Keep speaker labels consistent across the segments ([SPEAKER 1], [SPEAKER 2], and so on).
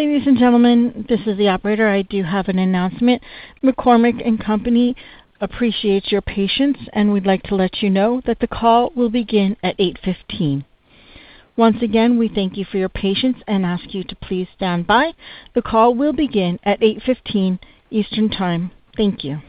[SPEAKER 1] Ladies and gentlemen, this is the operator. I do have an announcement. McCormick & Company appreciate your patience, and we'd like to let you know that the call will begin at 8:15 A.M. Once again, we thank you for your patience and ask you to please stand by. The call will begin at 8:15 A.M. Eastern Time. Thank you.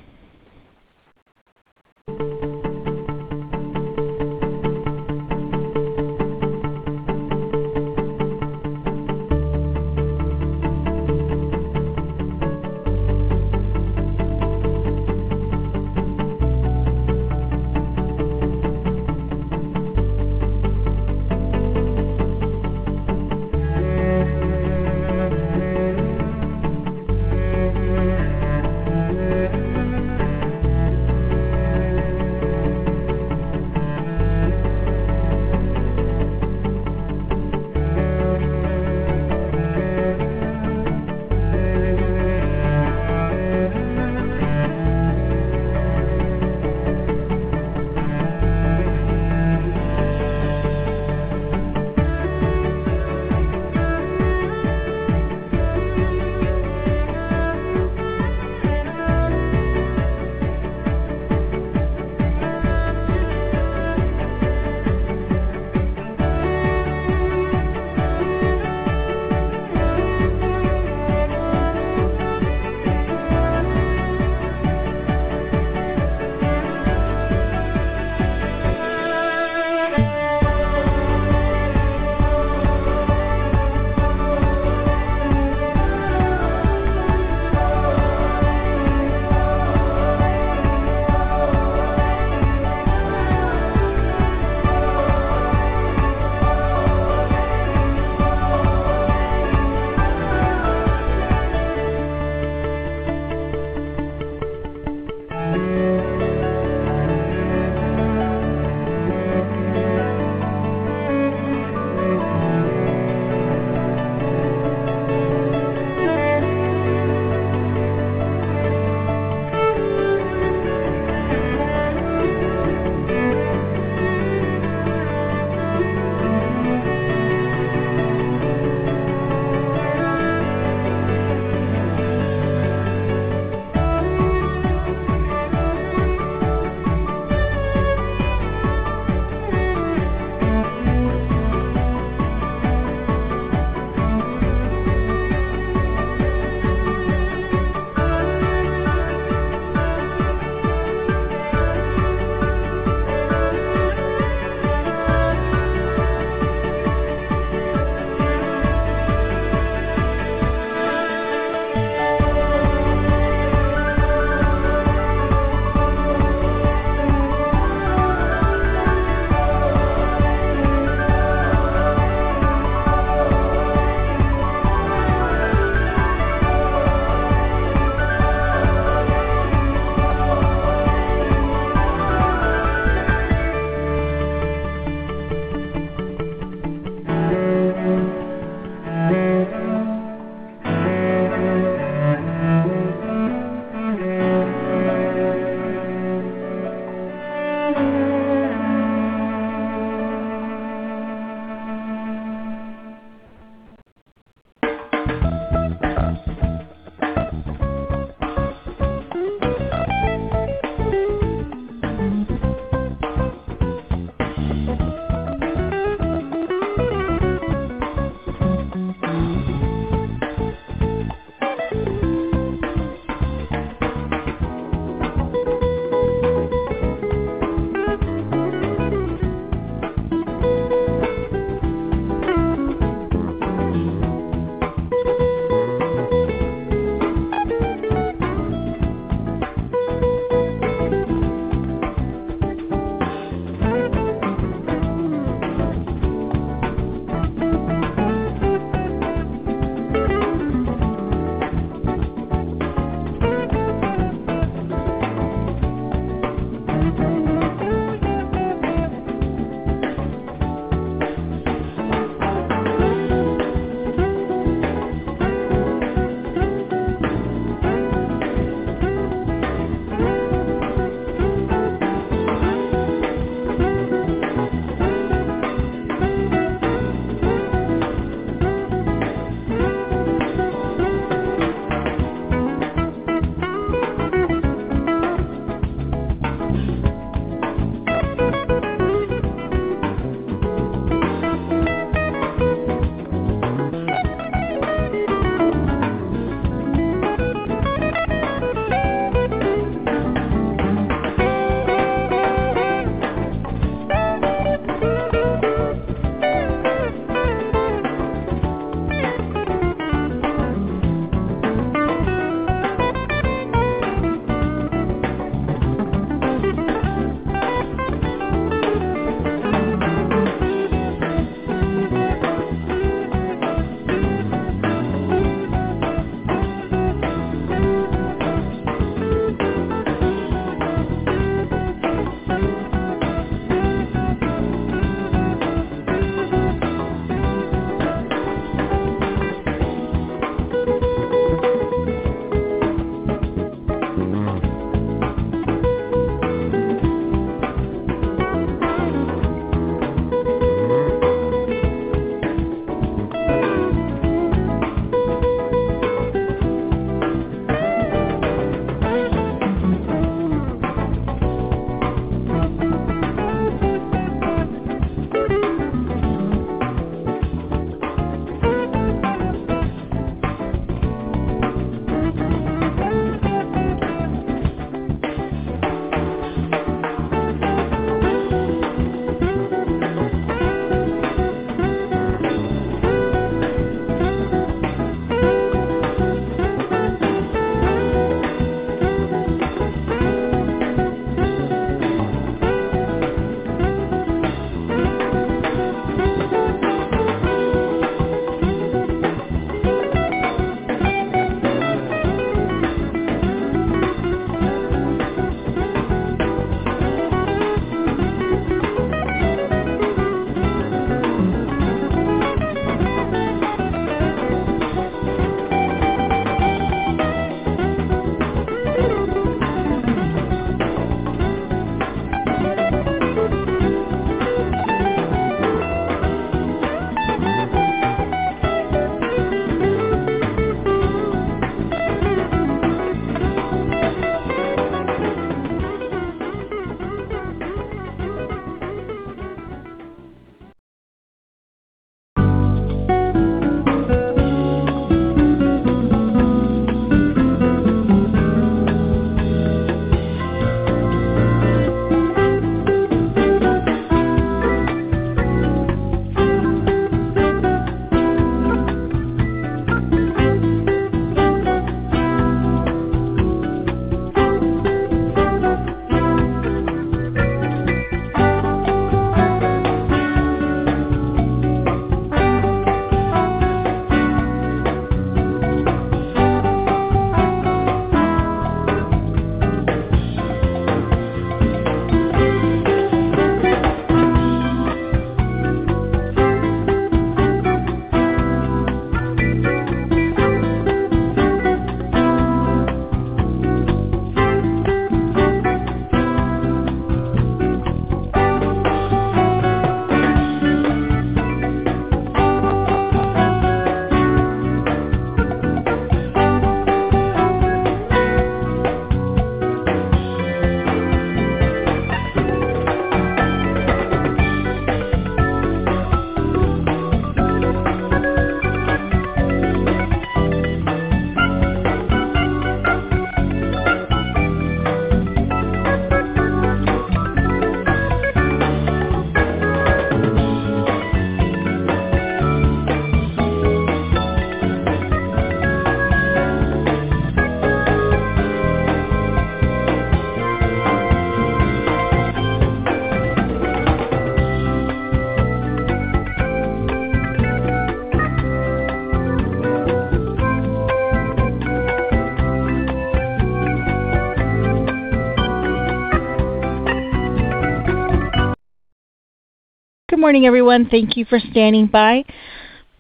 [SPEAKER 1] Good morning, everyone. Thank you for standing by.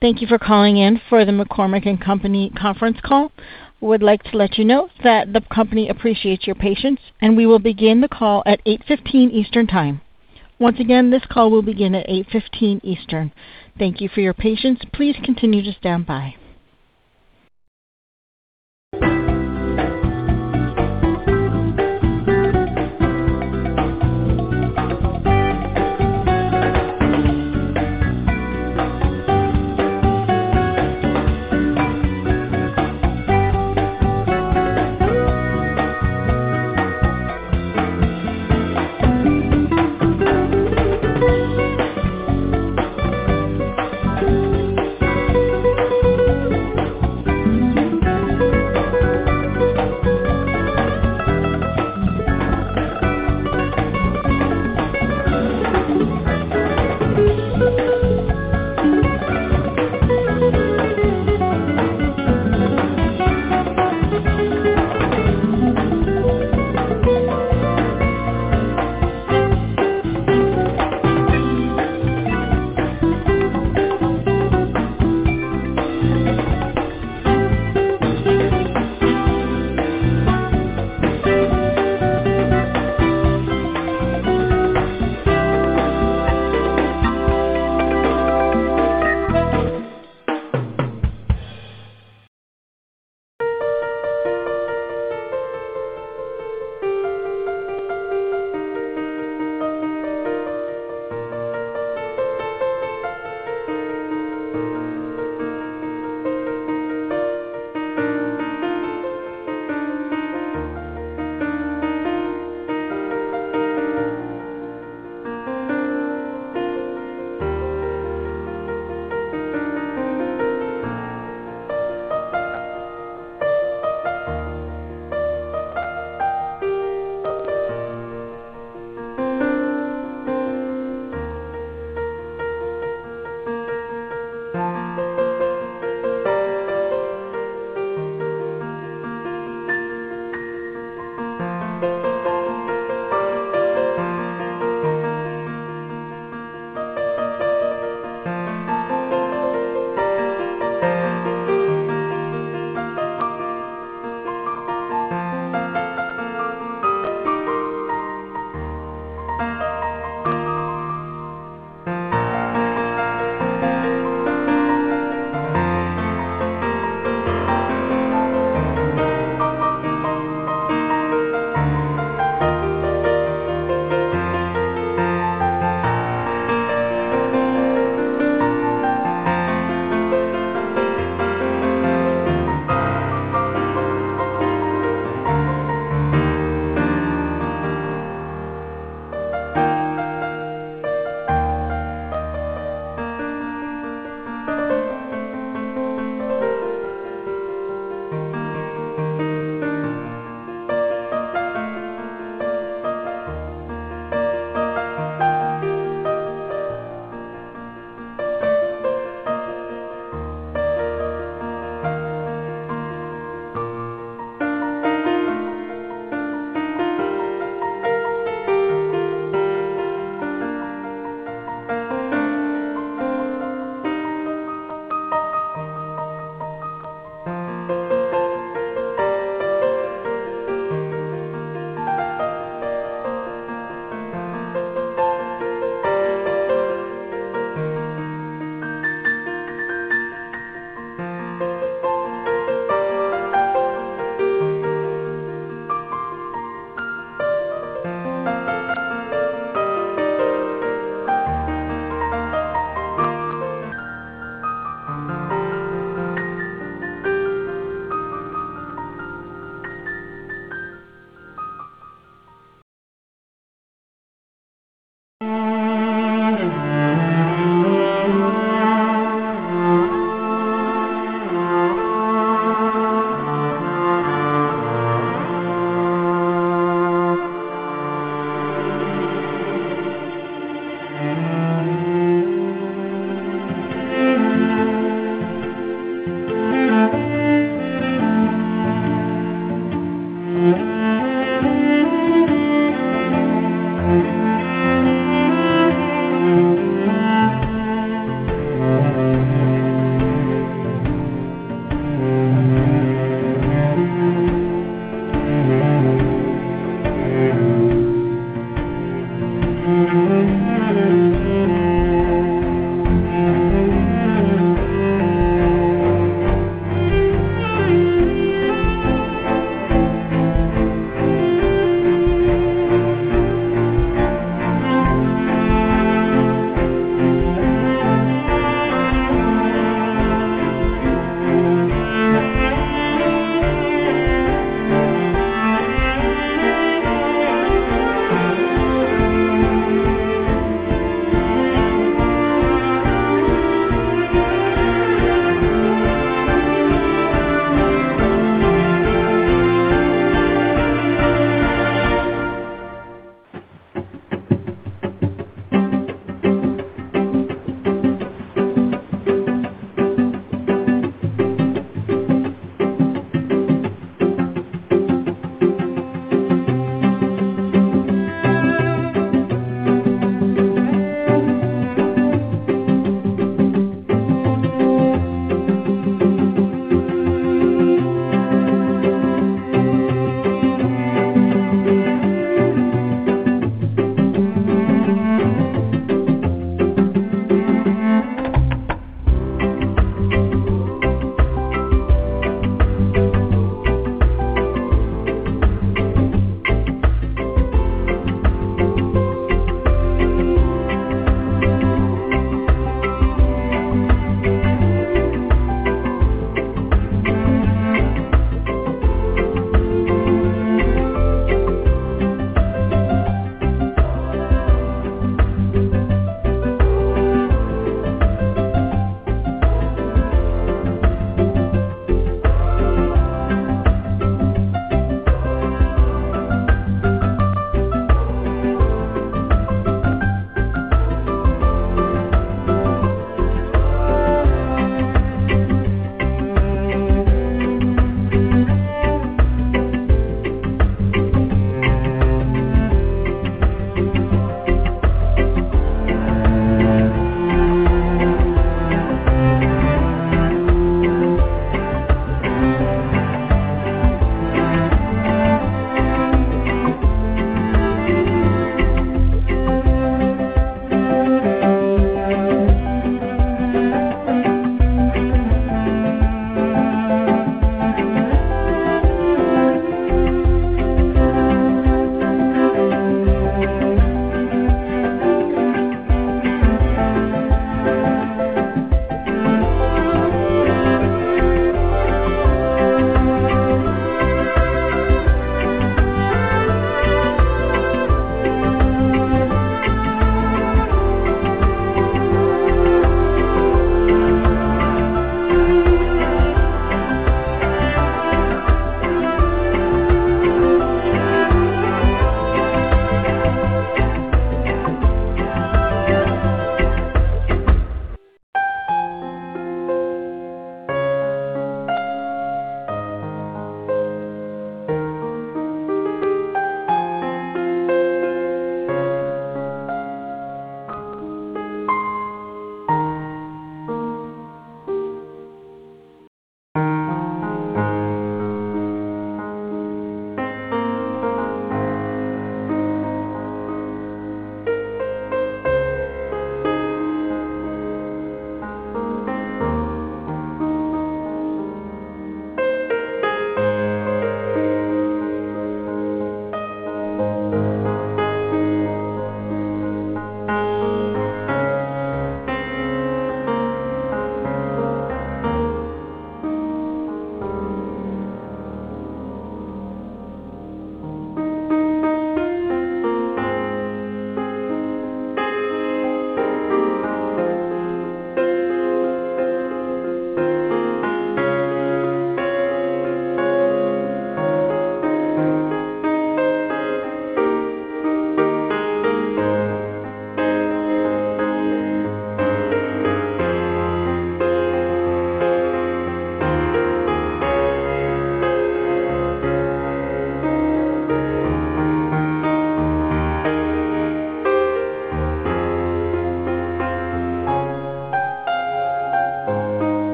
[SPEAKER 1] Thank you for calling in for the McCormick & Company conference call. We would like to let you know that the company appreciates your patience, and we will begin the call at 8:15 A.M. Eastern Time. Once again, this call will begin at 8:15 A.M. Eastern. Thank you for your patience. Please continue to stand by.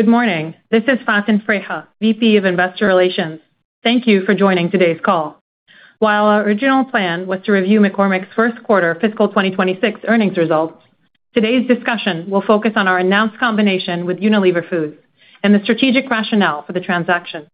[SPEAKER 2] Good morning. This is Faten Freiha, VP of Investor Relations. Thank you for joining today's call. While our original plan was to review McCormick's first quarter fiscal 2026 earnings results, today's discussion will focus on our announced combination with Unilever Foods and the strategic rationale for the transaction.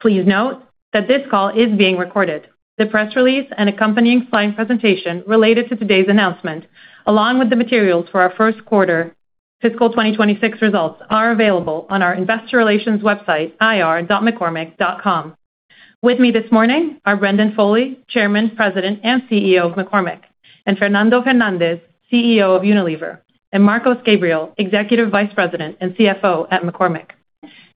[SPEAKER 2] Please note that this call is being recorded. The press release and accompanying slide presentation related to today's announcement, along with the materials for our first quarter fiscal 2026 results, are available on our investor relations website, ir.mccormick.com. With me this morning are Brendan Foley, Chairman, President, and CEO of McCormick, and Fernando Fernández, CEO of Unilever, and Marcos Gabriel, Executive Vice President and CFO at McCormick.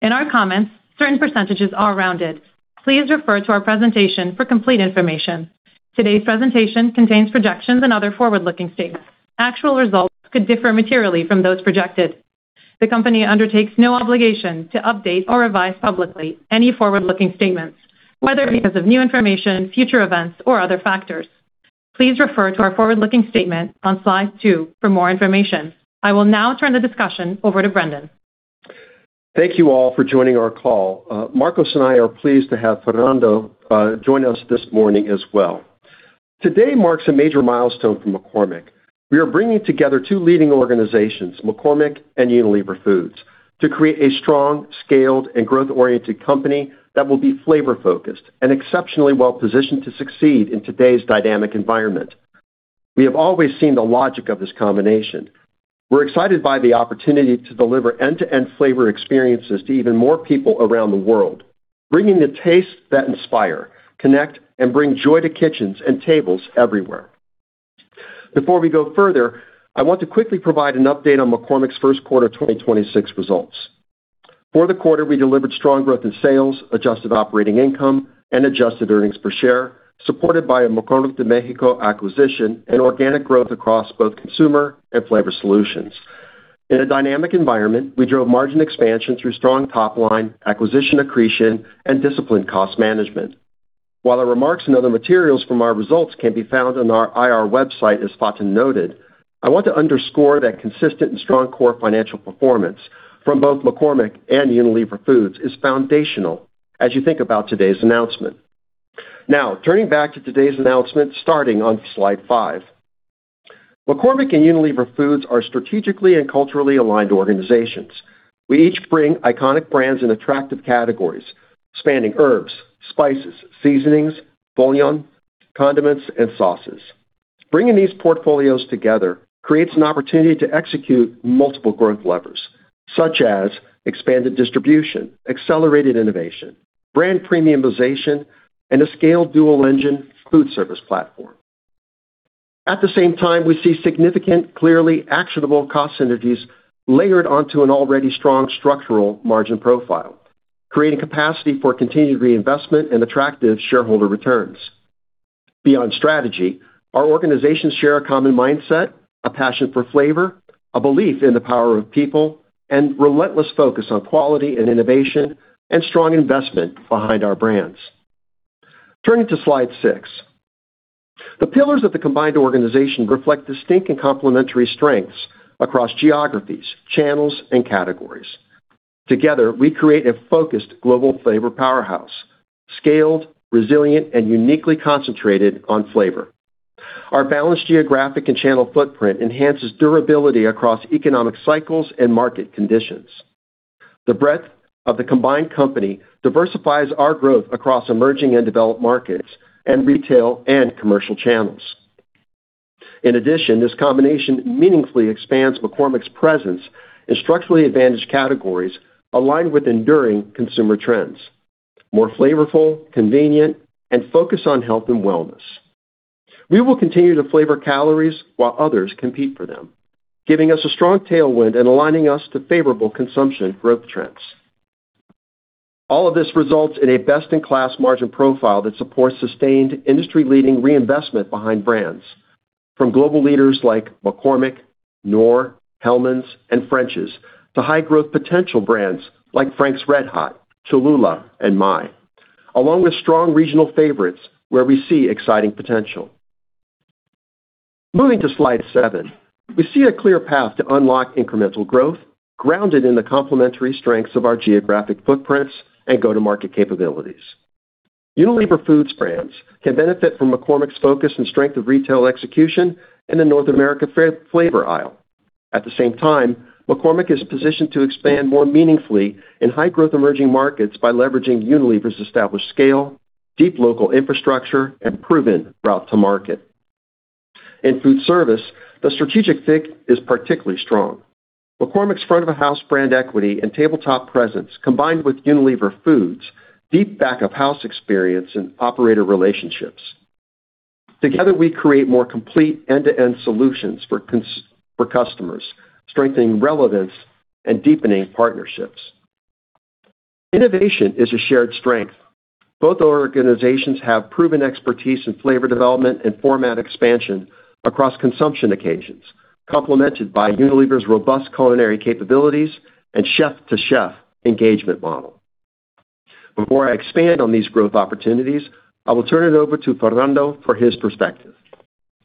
[SPEAKER 2] In our comments, certain percentages are rounded. Please refer to our presentation for complete information. Today's presentation contains projections and other forward-looking statements. Actual results could differ materially from those projected. The company undertakes no obligation to update or revise publicly any forward-looking statements, whether because of new information, future events, or other factors. Please refer to our forward-looking statement on slide two for more information. I will now turn the discussion over to Brendan.
[SPEAKER 3] Thank you all for joining our call. Marcos and I are pleased to have Fernando join us this morning as well. Today marks a major milestone for McCormick. We are bringing together two leading organizations, McCormick and Unilever Foods, to create a strong, scaled, and growth-oriented company that will be flavor-focused and exceptionally well-positioned to succeed in today's dynamic environment. We have always seen the logic of this combination. We're excited by the opportunity to deliver end-to-end flavor experiences to even more people around the world, bringing the tastes that inspire, connect, and bring joy to kitchens and tables everywhere. Before we go further, I want to quickly provide an update on McCormick's first quarter 2026 results. For the quarter, we delivered strong growth in sales, adjusted operating income, and adjusted earnings per share, supported by a McCormick de México acquisition and organic growth across both Consumer and Flavor Solutions. In a dynamic environment, we drove margin expansion through strong top-line, acquisition accretion, and disciplined cost management. While the remarks and other materials from our results can be found on our IR website, as Faten noted, I want to underscore that consistent and strong core financial performance from both McCormick and Unilever Foods is foundational as you think about today's announcement. Now, turning back to today's announcement, starting on slide five. McCormick and Unilever Foods are strategically and culturally aligned organizations. We each bring iconic brands in attractive categories, spanning herbs, spices, seasonings, bouillon, condiments, and sauces. Bringing these portfolios together creates an opportunity to execute multiple growth levers, such as expanded distribution, accelerated innovation, brand premiumization, and a scaled dual-engine foodservice platform. At the same time, we see significant, clearly actionable cost synergies layered onto an already strong structural margin profile, creating capacity for continued reinvestment and attractive shareholder returns. Beyond strategy, our organizations share a common mindset, a passion for flavor, a belief in the power of people, and relentless focus on quality and innovation and strong investment behind our brands. Turning to slide six. The pillars of the combined organization reflect distinct and complementary strengths across geographies, channels, and categories. Together, we create a focused global flavor powerhouse, scaled, resilient, and uniquely concentrated on flavor. Our balanced geographic and channel footprint enhances durability across economic cycles and market conditions. The breadth of the combined company diversifies our growth across emerging and developed markets and retail and commercial channels. In addition, this combination meaningfully expands McCormick's presence in structurally advantaged categories aligned with enduring Consumer trends, more flavorful, convenient, and focused on health and wellness. We will continue to flavor calories while others compete for them, giving us a strong tailwind and aligning us to favorable consumption growth trends. All of this results in a best-in-class margin profile that supports sustained industry-leading reinvestment behind brands, from global leaders like McCormick, Knorr, Hellmann's, and French's, to high-growth potential brands like Frank's RedHot, Cholula, and Maille, along with strong regional favorites where we see exciting potential. Moving to slide seven. We see a clear path to unlock incremental growth grounded in the complementary strengths of our geographic footprints and go-to-market capabilities. Unilever Foods brands can benefit from McCormick's focus and strength of retail execution in the North American flavor aisle. At the same time, McCormick is positioned to expand more meaningfully in high-growth emerging markets by leveraging Unilever's established scale, deep local infrastructure, and proven route to market. In foodservice, the strategic fit is particularly strong, McCormick's front-of-house brand equity and tabletop presence, combined with Unilever Foods' deep back-of-house experience and operator relationships, together we create more complete end-to-end solutions for customers, strengthening relevance and deepening partnerships. Innovation is a shared strength. Both organizations have proven expertise in flavor development and format expansion across consumption occasions, complemented by Unilever's robust culinary capabilities and chef-to-chef engagement model. Before I expand on these growth opportunities, I will turn it over to Fernando for his perspective.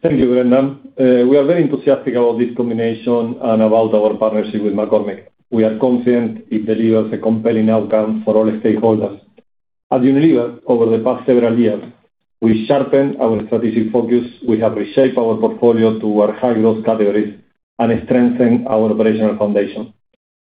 [SPEAKER 4] Thank you, Brendan. We are very enthusiastic about this combination and about our partnership with McCormick. We are confident it delivers a compelling outcome for all stakeholders. At Unilever, over the past several years, we sharpened our strategic focus, we have reshaped our portfolio toward high-growth categories, and strengthened our operational foundation.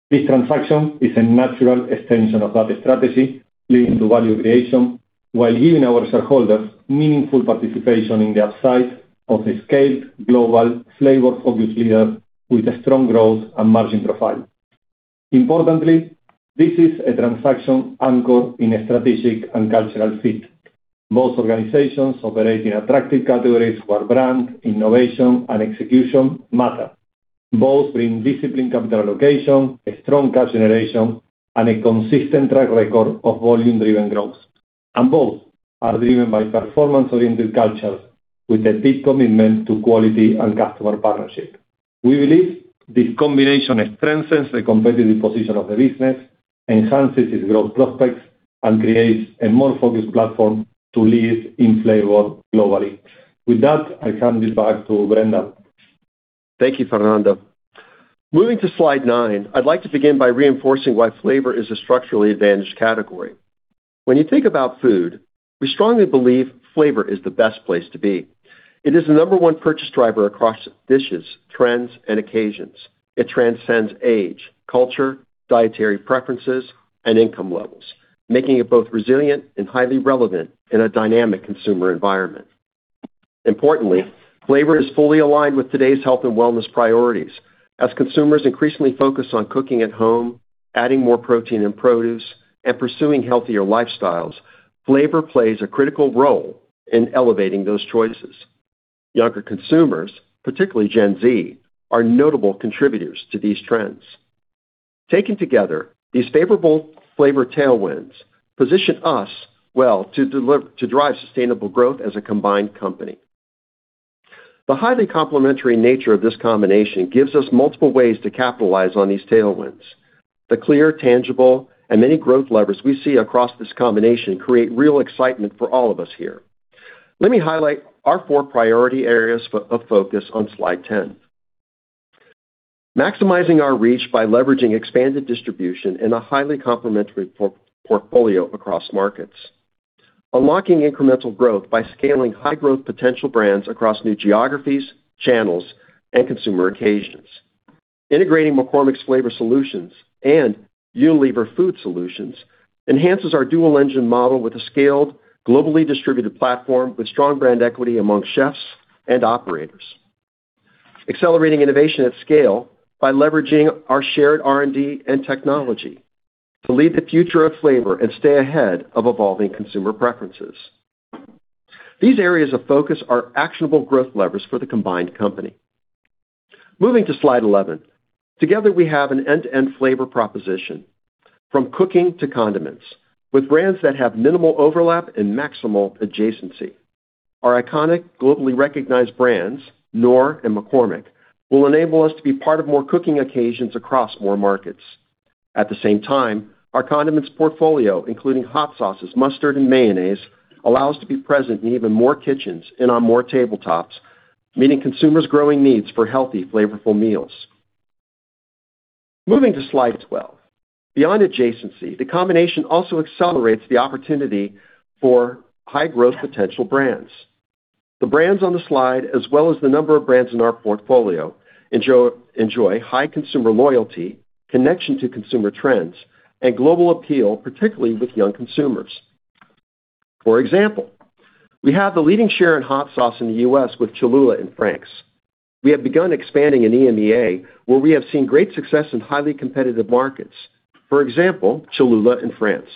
[SPEAKER 4] This transaction is a natural extension of that strategy, leading to value creation, while giving our shareholders meaningful participation in the upside of a scaled global flavor-focused leader with a strong growth and margin profile. Importantly, this is a transaction anchored in a strategic and cultural fit. Both organizations operate in attractive categories where brand, innovation, and execution matter. Both bring disciplined capital allocation, a strong cash generation, and a consistent track record of volume-driven growth. Both are driven by performance-oriented cultures with a deep commitment to quality and customer partnership. We believe this combination strengthens the competitive position of the business, enhances its growth prospects, and creates a more focused platform to lead in flavor globally. With that, I hand it back to Brendan.
[SPEAKER 3] Thank you, Fernando. Moving to slide nine, I'd like to begin by reinforcing why flavor is a structurally advantaged category. When you think about food, we strongly believe flavor is the best place to be. It is the number one purchase driver across dishes, trends, and occasions. It transcends age, culture, dietary preferences, and income levels, making it both resilient and highly relevant in a dynamic consumer environment. Importantly, flavor is fully aligned with today's health and wellness priorities. As consumers increasingly focus on cooking at home, adding more protein and produce, and pursuing healthier lifestyles, flavor plays a critical role in elevating those choices. Younger consumers, particularly Gen Z, are notable contributors to these trends. Taken together, these favorable flavor tailwinds position us well to drive sustainable growth as a combined company. The highly complementary nature of this combination gives us multiple ways to capitalize on these tailwinds. The clear, tangible, and many growth levers we see across this combination create real excitement for all of us here. Let me highlight our four priority areas of focus on slide 10. Maximizing our reach by leveraging expanded distribution in a highly complementary portfolio across markets. Unlocking incremental growth by scaling high-growth potential brands across new geographies, channels, and consumer occasions. Integrating McCormick's Flavor Solutions and Unilever Food Solutions enhances our dual-engine model with a scaled, globally distributed platform with strong brand equity among chefs and operators. Accelerating innovation at scale by leveraging our shared R&D and technology to lead the future of flavor and stay ahead of evolving consumer preferences. These areas of focus are actionable growth levers for the combined company. Moving to slide 11. Together, we have an end-to-end flavor proposition, from cooking to condiments, with brands that have minimal overlap and maximal adjacency. Our iconic, globally recognized brands, Knorr and McCormick, will enable us to be part of more cooking occasions across more markets. At the same time, our condiments portfolio, including hot sauces, mustard, and mayonnaise, allow us to be present in even more kitchens and on more tabletops, meeting consumers' growing needs for healthy, flavorful meals. Moving to slide 12. Beyond adjacency, the combination also accelerates the opportunity for high-growth potential brands. The brands on the slide, as well as the number of brands in our portfolio, enjoy high consumer loyalty, connection to consumer trends, and global appeal, particularly with young consumers. For example, we have the leading share in hot sauce in the U.S. with Cholula and Frank's. We have begun expanding in EMEA, where we have seen great success in highly competitive markets, for example, Cholula in France.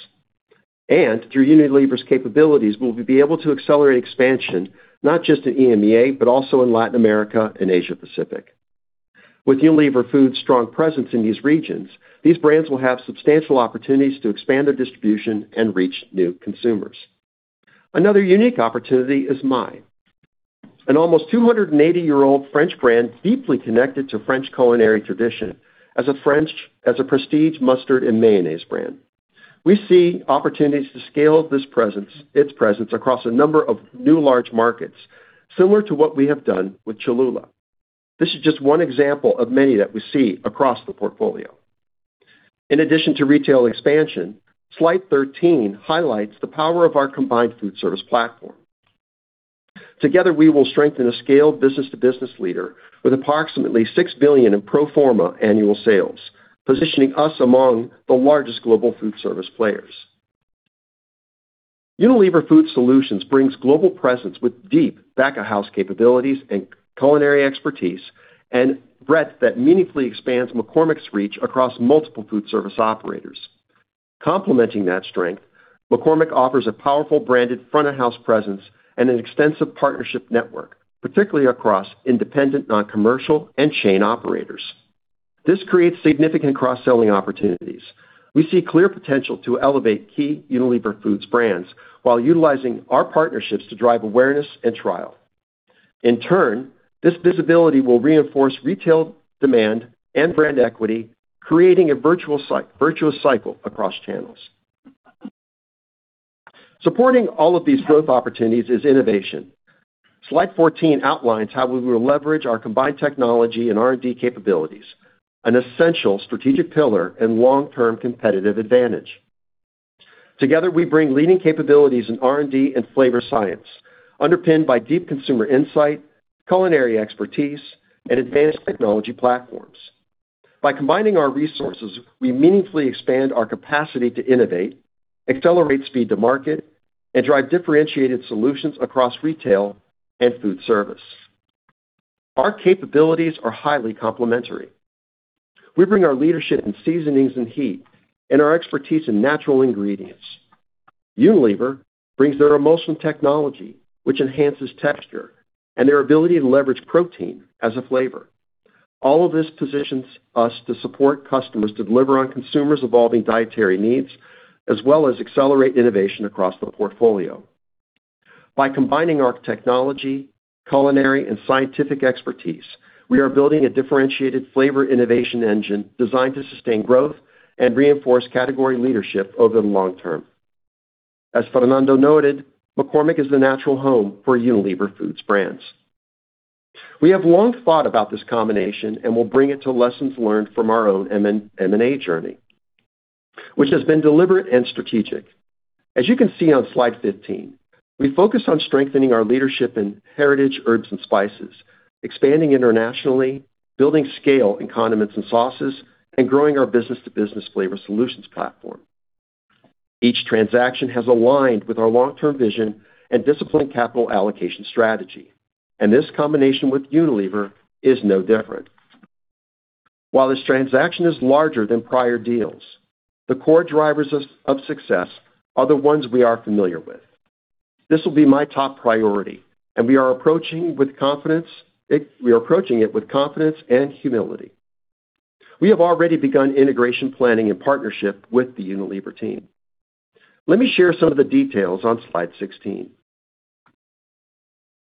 [SPEAKER 3] Through Unilever's capabilities, we will be able to accelerate expansion, not just in EMEA, but also in Latin America and Asia Pacific. With Unilever Foods' strong presence in these regions, these brands will have substantial opportunities to expand their distribution and reach new consumers. Another unique opportunity is Maille, an almost 280-year-old French brand deeply connected to French culinary tradition as a prestige mustard and mayonnaise brand. We see opportunities to scale its presence across a number of new large markets, similar to what we have done with Cholula. This is just one example of many that we see across the portfolio. In addition to retail expansion, slide 13 highlights the power of our combined foodservice platform. Together, we will strengthen a scaled business-to-business leader with approximately $6 billion in pro forma annual sales, positioning us among the largest global foodservice players. Unilever Food Solutions brings global presence with deep back-of-house capabilities and culinary expertise and breadth that meaningfully expands McCormick's reach across multiple foodservice operators. Complementing that strength, McCormick offers a powerful branded front-of-house presence and an extensive partnership network, particularly across independent, non-commercial, and chain operators. This creates significant cross-selling opportunities. We see clear potential to elevate key Unilever Foods brands while utilizing our partnerships to drive awareness and trial. In turn, this visibility will reinforce retail demand and brand equity, creating a virtuous cycle across channels. Supporting all of these growth opportunities is innovation. Slide 14 outlines how we will leverage our combined technology and R&D capabilities, an essential strategic pillar and long-term competitive advantage. Together, we bring leading capabilities in R&D and flavor science, underpinned by deep consumer insight, culinary expertise, and advanced technology platforms. By combining our resources, we meaningfully expand our capacity to innovate, accelerate speed to market, and drive differentiated solutions across retail and foodservice. Our capabilities are highly complementary. We bring our leadership in seasonings and heat and our expertise in natural ingredients. Unilever brings their emulsion technology, which enhances texture, and their ability to leverage protein as a flavor. All of this positions us to support customers to deliver on consumers' evolving dietary needs, as well as accelerate innovation across the portfolio. By combining our technology, culinary, and scientific expertise, we are building a differentiated flavor innovation engine designed to sustain growth and reinforce category leadership over the long term. As Fernando noted, McCormick is the natural home for Unilever Foods brands. We have long thought about this combination and will bring it to lessons learned from our own M&A journey, which has been deliberate and strategic. As you can see on slide 15, we focus on strengthening our leadership in heritage herbs and spices, expanding internationally, building scale in condiments and sauces, and growing our business-to-business Flavor Solutions platform. Each transaction has aligned with our long-term vision and disciplined capital allocation strategy, and this combination with Unilever is no different. While this transaction is larger than prior deals, the core drivers of success are the ones we are familiar with. This will be my top priority, and we are approaching it with confidence and humility. We have already begun integration planning and partnership with the Unilever team. Let me share some of the details on slide 16.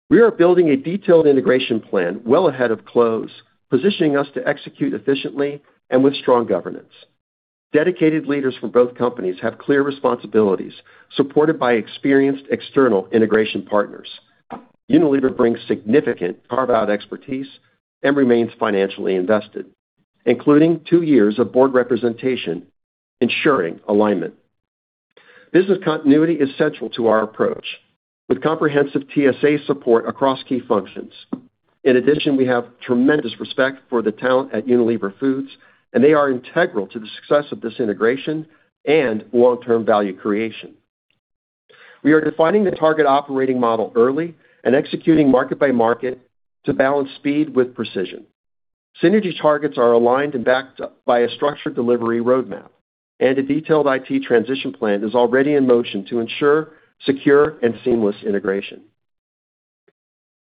[SPEAKER 3] We are building a detailed integration plan well ahead of close, positioning us to execute efficiently and with strong governance. Dedicated leaders from both companies have clear responsibilities, supported by experienced external integration partners. Unilever brings significant carve-out expertise and remains financially invested, including two years of board representation, ensuring alignment. Business continuity is central to our approach, with comprehensive TSA support across key functions. In addition, we have tremendous respect for the talent at Unilever Foods, and they are integral to the success of this integration and long-term value creation. We are defining the target operating model early and executing market by market to balance speed with precision. Synergy targets are aligned and backed up by a structured delivery roadmap, and a detailed IT transition plan is already in motion to ensure secure and seamless integration.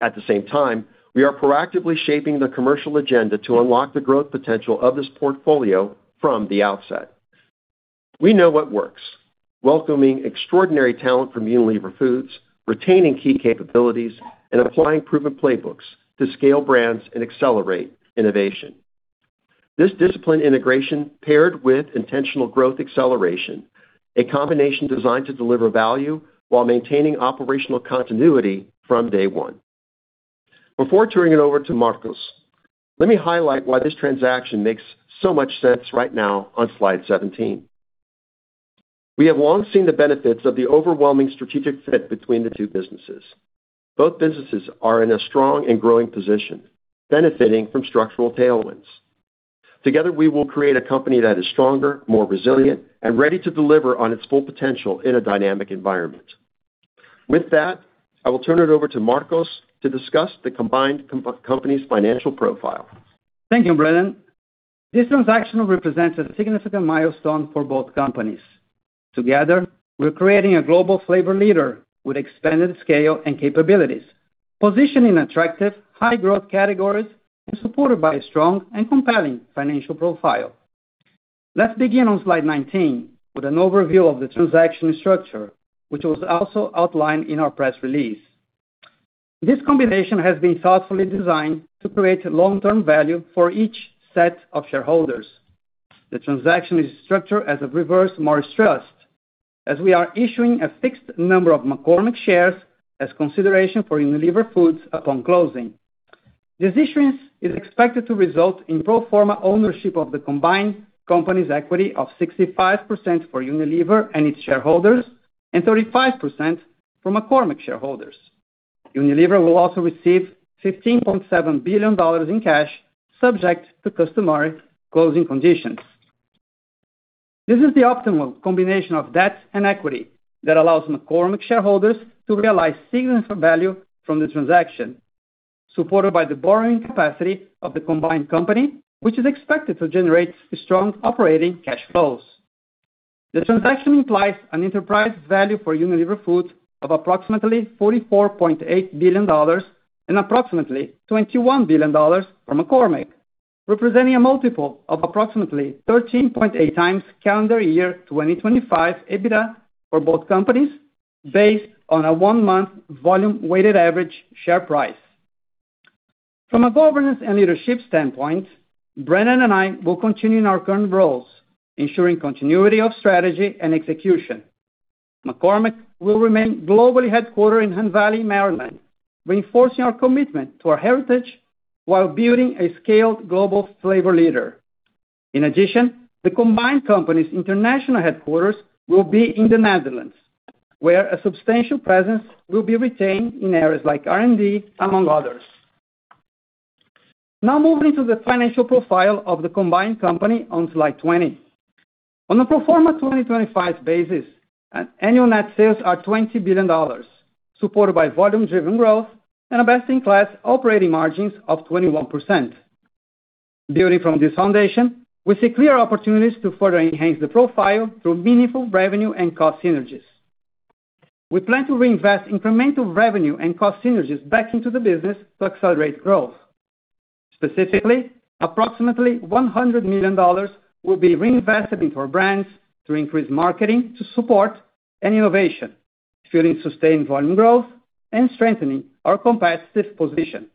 [SPEAKER 3] At the same time, we are proactively shaping the commercial agenda to unlock the growth potential of this portfolio from the outset. We know what works, welcoming extraordinary talent from Unilever Foods, retaining key capabilities, and applying proven playbooks to scale brands and accelerate innovation. This disciplined integration paired with intentional growth acceleration, a combination designed to deliver value while maintaining operational continuity from day one. Before turning it over to Marcos, let me highlight why this transaction makes so much sense right now on slide 17. We have long seen the benefits of the overwhelming strategic fit between the two businesses. Both businesses are in a strong and growing position, benefiting from structural tailwinds. Together, we will create a company that is stronger, more resilient, and ready to deliver on its full potential in a dynamic environment. With that, I will turn it over to Marcos to discuss the combined company's financial profile.
[SPEAKER 5] Thank you, Brendan. This transaction represents a significant milestone for both companies. Together, we're creating a global flavor leader with expanded scale and capabilities, positioned in attractive high-growth categories and supported by a strong and compelling financial profile. Let's begin on slide 19 with an overview of the transaction structure, which was also outlined in our press release. This combination has been thoughtfully designed to create long-term value for each set of shareholders. The transaction is structured as a Reverse Morris Trust, as we are issuing a fixed number of McCormick shares as consideration for Unilever Foods upon closing. This issuance is expected to result in pro forma ownership of the combined company's equity of 65% for Unilever and its shareholders and 35% for McCormick shareholders. Unilever will also receive $15.7 billion in cash subject to customary closing conditions. This is the optimal combination of debt and equity that allows McCormick shareholders to realize significant value from the transaction, supported by the borrowing capacity of the combined company, which is expected to generate strong operating cash flows. The transaction implies an enterprise value for Unilever Foods of approximately $44.8 billion and approximately $21 billion for McCormick, representing a multiple of approximately 13.8x calendar year 2025 EBITDA for both companies based on a one-month volume weighted average share price. From a governance and leadership standpoint, Brendan and I will continue in our current roles, ensuring continuity of strategy and execution. McCormick will remain globally headquartered in Hunt Valley, Maryland, reinforcing our commitment to our heritage while building a scaled global flavor leader. In addition, the combined company's international headquarters will be in the Netherlands, where a substantial presence will be retained in areas like R&D, among others. Now moving to the financial profile of the combined company on slide 20. On a pro forma 2025 basis, annual net sales are $20 billion, supported by volume-driven growth and a best-in-class operating margins of 21%. Building from this foundation, we see clear opportunities to further enhance the profile through meaningful revenue and cost synergies. We plan to reinvest incremental revenue and cost synergies back into the business to accelerate growth. Specifically, approximately $100 million will be reinvested into our brands to increase marketing to support and innovation, fueling sustained volume growth and strengthening our competitive position.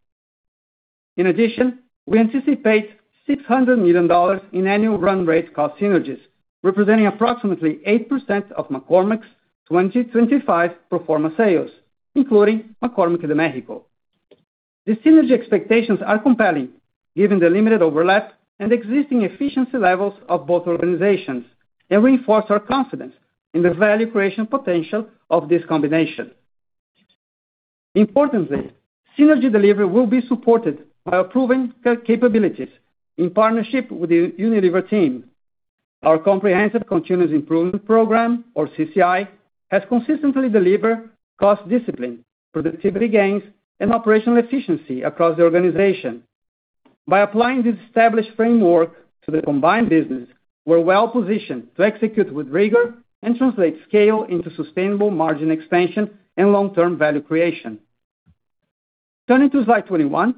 [SPEAKER 5] In addition, we anticipate $600 million in annual run rate cost synergies, representing approximately 8% of McCormick's 2025 pro forma sales, including McCormick de México. The synergy expectations are compelling given the limited overlap and existing efficiency levels of both organizations and reinforce our confidence in the value creation potential of this combination. Importantly, synergy delivery will be supported by our proven capabilities in partnership with the Unilever team. Our Comprehensive Continuous Improvement program, or CCI, has consistently delivered cost discipline, productivity gains, and operational efficiency across the organization. By applying this established framework to the combined business, we're well-positioned to execute with rigor and translate scale into sustainable margin expansion and long-term value creation. Turning to slide 21,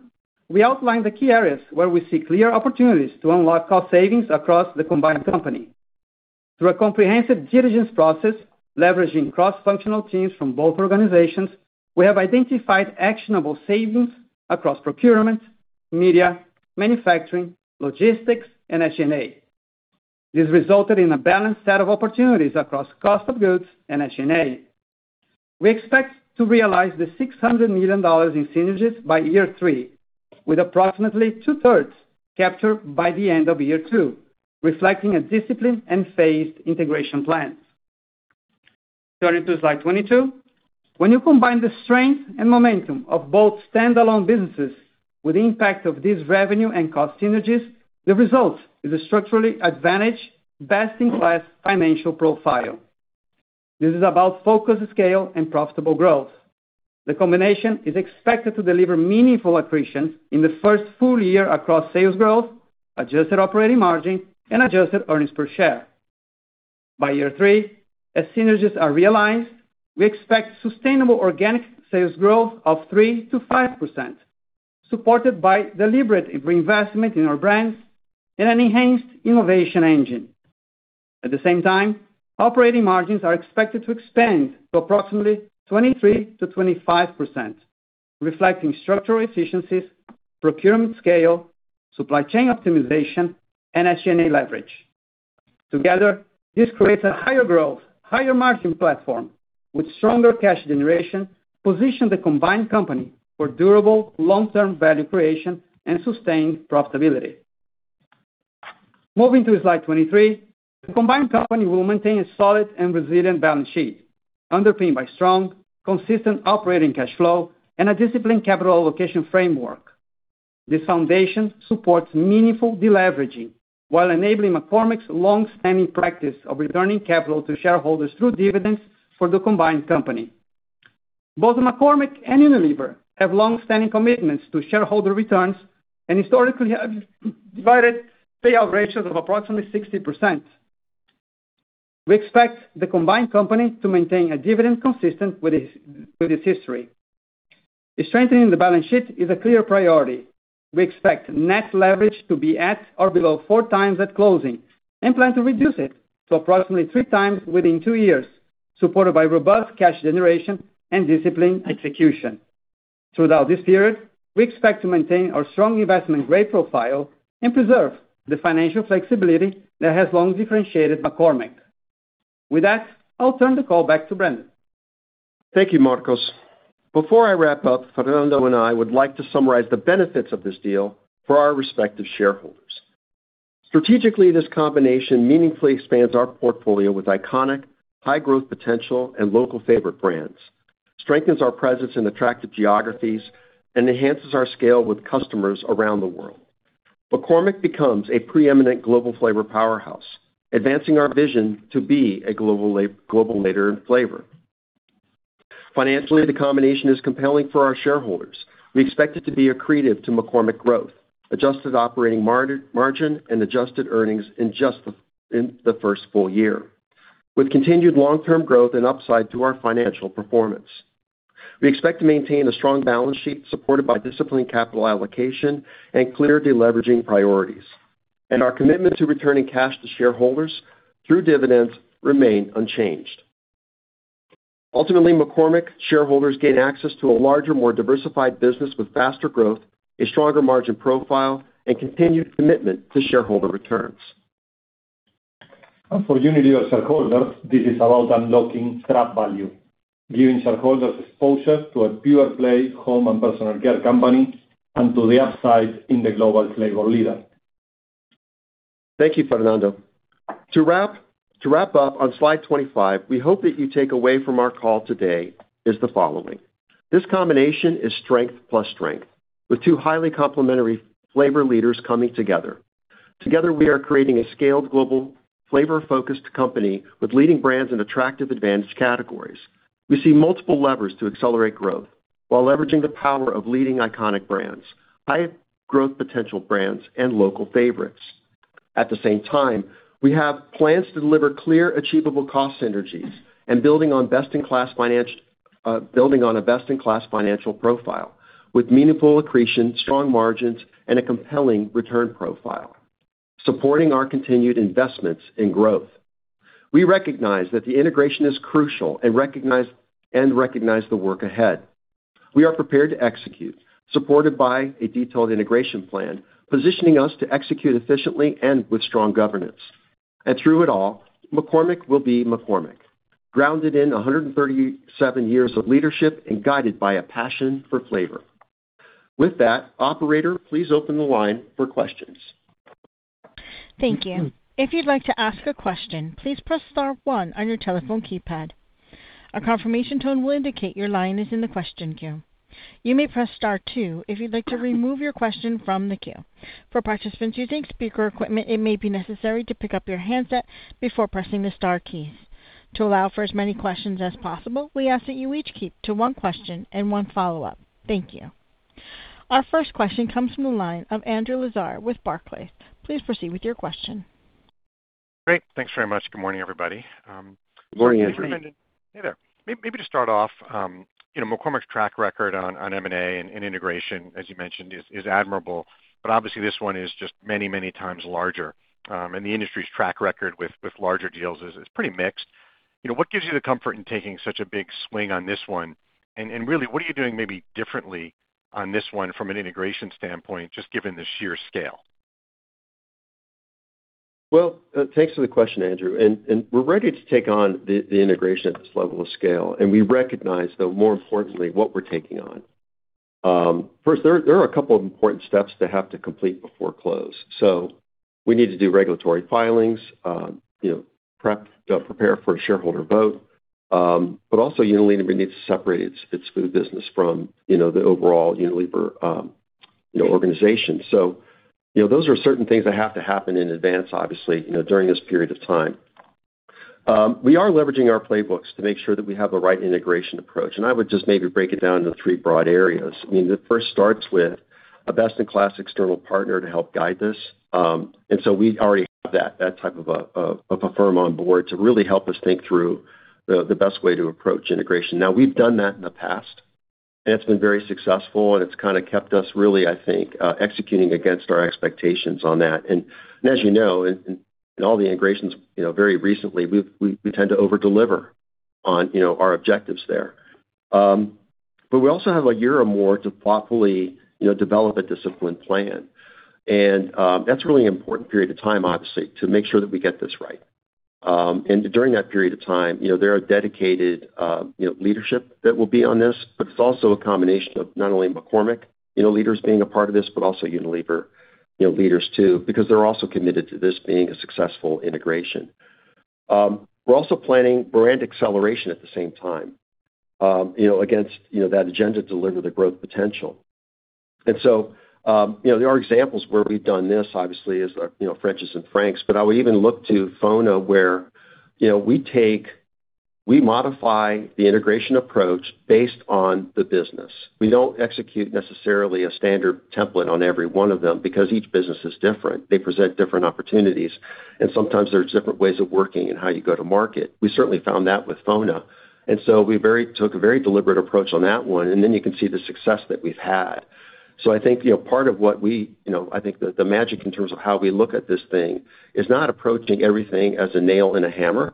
[SPEAKER 5] we outline the key areas where we see clear opportunities to unlock cost savings across the combined company. Through a comprehensive diligence process, leveraging cross-functional teams from both organizations, we have identified actionable savings across procurement, media, manufacturing, logistics, and SG&A. This resulted in a balanced set of opportunities across cost of goods and SG&A. We expect to realize the $600 million in synergies by year three, with approximately 2/3 captured by the end of year two, reflecting a disciplined and phased integration plan. Turning to slide 22. When you combine the strength and momentum of both standalone businesses with the impact of this revenue and cost synergies, the result is a structurally advantaged, best-in-class financial profile. This is about focus, scale, and profitable growth. The combination is expected to deliver meaningful accretion in the first full year across sales growth, adjusted operating margin, and adjusted earnings per share. By year three, as synergies are realized, we expect sustainable organic sales growth of 3%-5%, supported by deliberate reinvestment in our brands and an enhanced innovation engine. At the same time, operating margins are expected to expand to approximately 23%-25%, reflecting structural efficiencies, procurement scale, supply chain optimization, and SG&A leverage. Together, this creates a higher growth, higher margin platform with stronger cash generation, positioning the combined company for durable long-term value creation and sustained profitability. Moving to slide 23. The combined company will maintain a solid and resilient balance sheet, underpinned by strong, consistent operating cash flow and a disciplined capital allocation framework. This foundation supports meaningful deleveraging while enabling McCormick's long-standing practice of returning capital to shareholders through dividends for the combined company. Both McCormick and Unilever have long-standing commitments to shareholder returns and historically have dividend payout ratios of approximately 60%. We expect the combined company to maintain a dividend consistent with its history. Strengthening the balance sheet is a clear priority. We expect net leverage to be at or below 4x at closing and plan to reduce it to approximately 3x within two years, supported by robust cash generation and disciplined execution. Throughout this period, we expect to maintain our strong investment grade profile and preserve the financial flexibility that has long differentiated McCormick. With that, I'll turn the call back to Brendan.
[SPEAKER 3] Thank you, Marcos. Before I wrap up, Fernando and I would like to summarize the benefits of this deal for our respective shareholders. Strategically, this combination meaningfully expands our portfolio with iconic, high growth potential and local favorite brands, strengthens our presence in attractive geographies, and enhances our scale with customers around the world. McCormick becomes a preeminent global flavor powerhouse, advancing our vision to be a global leader in flavor. Financially, the combination is compelling for our shareholders. We expect it to be accretive to McCormick growth, adjusted operating margin, and adjusted earnings in the first full year, with continued long-term growth and upside to our financial performance. We expect to maintain a strong balance sheet supported by disciplined capital allocation and clear deleveraging priorities. Our commitment to returning cash to shareholders through dividends remain unchanged. Ultimately, McCormick shareholders gain access to a larger, more diversified business with faster growth, a stronger margin profile, and continued commitment to shareholder returns.
[SPEAKER 4] For Unilever shareholders, this is about unlocking trapped value, giving shareholders exposure to a pure-play home and personal care company and to the upside in the global flavor leader.
[SPEAKER 3] Thank you, Fernando. To wrap up on slide 25, we hope that you take away from our call today is the following. This combination is strength plus strength, with two highly complementary flavor leaders coming together. Together, we are creating a scaled global flavor-focused company with leading brands in attractive advantage categories. We see multiple levers to accelerate growth while leveraging the power of leading iconic brands, high growth potential brands, and local favorites. At the same time, we have plans to deliver clear, achievable cost synergies and building on a best-in-class financial profile with meaningful accretion, strong margins, and a compelling return profile, supporting our continued investments in growth. We recognize that the integration is crucial and recognize the work ahead. We are prepared to execute, supported by a detailed integration plan, positioning us to execute efficiently and with strong governance. Through it all, McCormick will be McCormick, grounded in 137 years of leadership and guided by a passion for flavor. With that, operator, please open the line for questions.
[SPEAKER 1] Thank you. If you'd like to ask a question, please press star one on your telephone keypad. A confirmation tone will indicate your line is in the question queue. You may press star two if you'd like to remove your question from the queue. For participants using speaker equipment, it may be necessary to pick up your handset before pressing the star keys. To allow for as many questions as possible, we ask that you each keep to one question and one follow-up. Thank you. Our first question comes from the line of Andrew Lazar with Barclays. Please proceed with your question.
[SPEAKER 6] Great. Thanks very much. Good morning, everybody.
[SPEAKER 3] Good morning.
[SPEAKER 6] Hey there. Maybe to start off, you know, McCormick's track record on M&A and integration, as you mentioned, is admirable. Obviously this one is just many times larger, and the industry's track record with larger deals is pretty mixed. You know, what gives you the comfort in taking such a big swing on this one? Really, what are you doing maybe differently on this one from an integration standpoint, just given the sheer scale?
[SPEAKER 3] Well, thanks for the question, Andrew. We're ready to take on the integration at this level of scale, and we recognize, though more importantly, what we're taking on. First, there are a couple of important steps to have to complete before close. We need to do regulatory filings, you know, prepare for a shareholder vote. Also Unilever needs to separate its food business from, you know, the overall Unilever, you know, organization. You know, those are certain things that have to happen in advance, obviously, you know, during this period of time. We are leveraging our playbooks to make sure that we have the right integration approach, and I would just maybe break it down into three broad areas. I mean, it first starts with a best-in-class external partner to help guide this. We already have that type of a firm on board to really help us think through the best way to approach integration. Now we've done that in the past, and it's been very successful, and it's kinda kept us really, I think, executing against our expectations on that. As you know, in all the integrations, you know, very recently, we tend to over deliver on, you know, our objectives there. We also have a year or more to thoughtfully, you know, develop a disciplined plan. That's a really important period of time, obviously, to make sure that we get this right. During that period of time, you know, there are dedicated, you know, leadership that will be on this, but it's also a combination of not only McCormick, you know, leaders being a part of this, but also Unilever, you know, leaders too, because they're also committed to this being a successful integration. We're also planning brand acceleration at the same time, you know, against, you know, that agenda to deliver the growth potential. There are examples where we've done this obviously as, you know, French's and Frank's, but I would even look to FONA where, you know, we modify the integration approach based on the business. We don't execute necessarily a standard template on every one of them because each business is different. They present different opportunities, and sometimes there's different ways of working and how you go to market. We certainly found that with FONA. We took a very deliberate approach on that one, and then you can see the success that we've had. I think you know part of what we you know I think the magic in terms of how we look at this thing is not approaching everything as a nail and a hammer.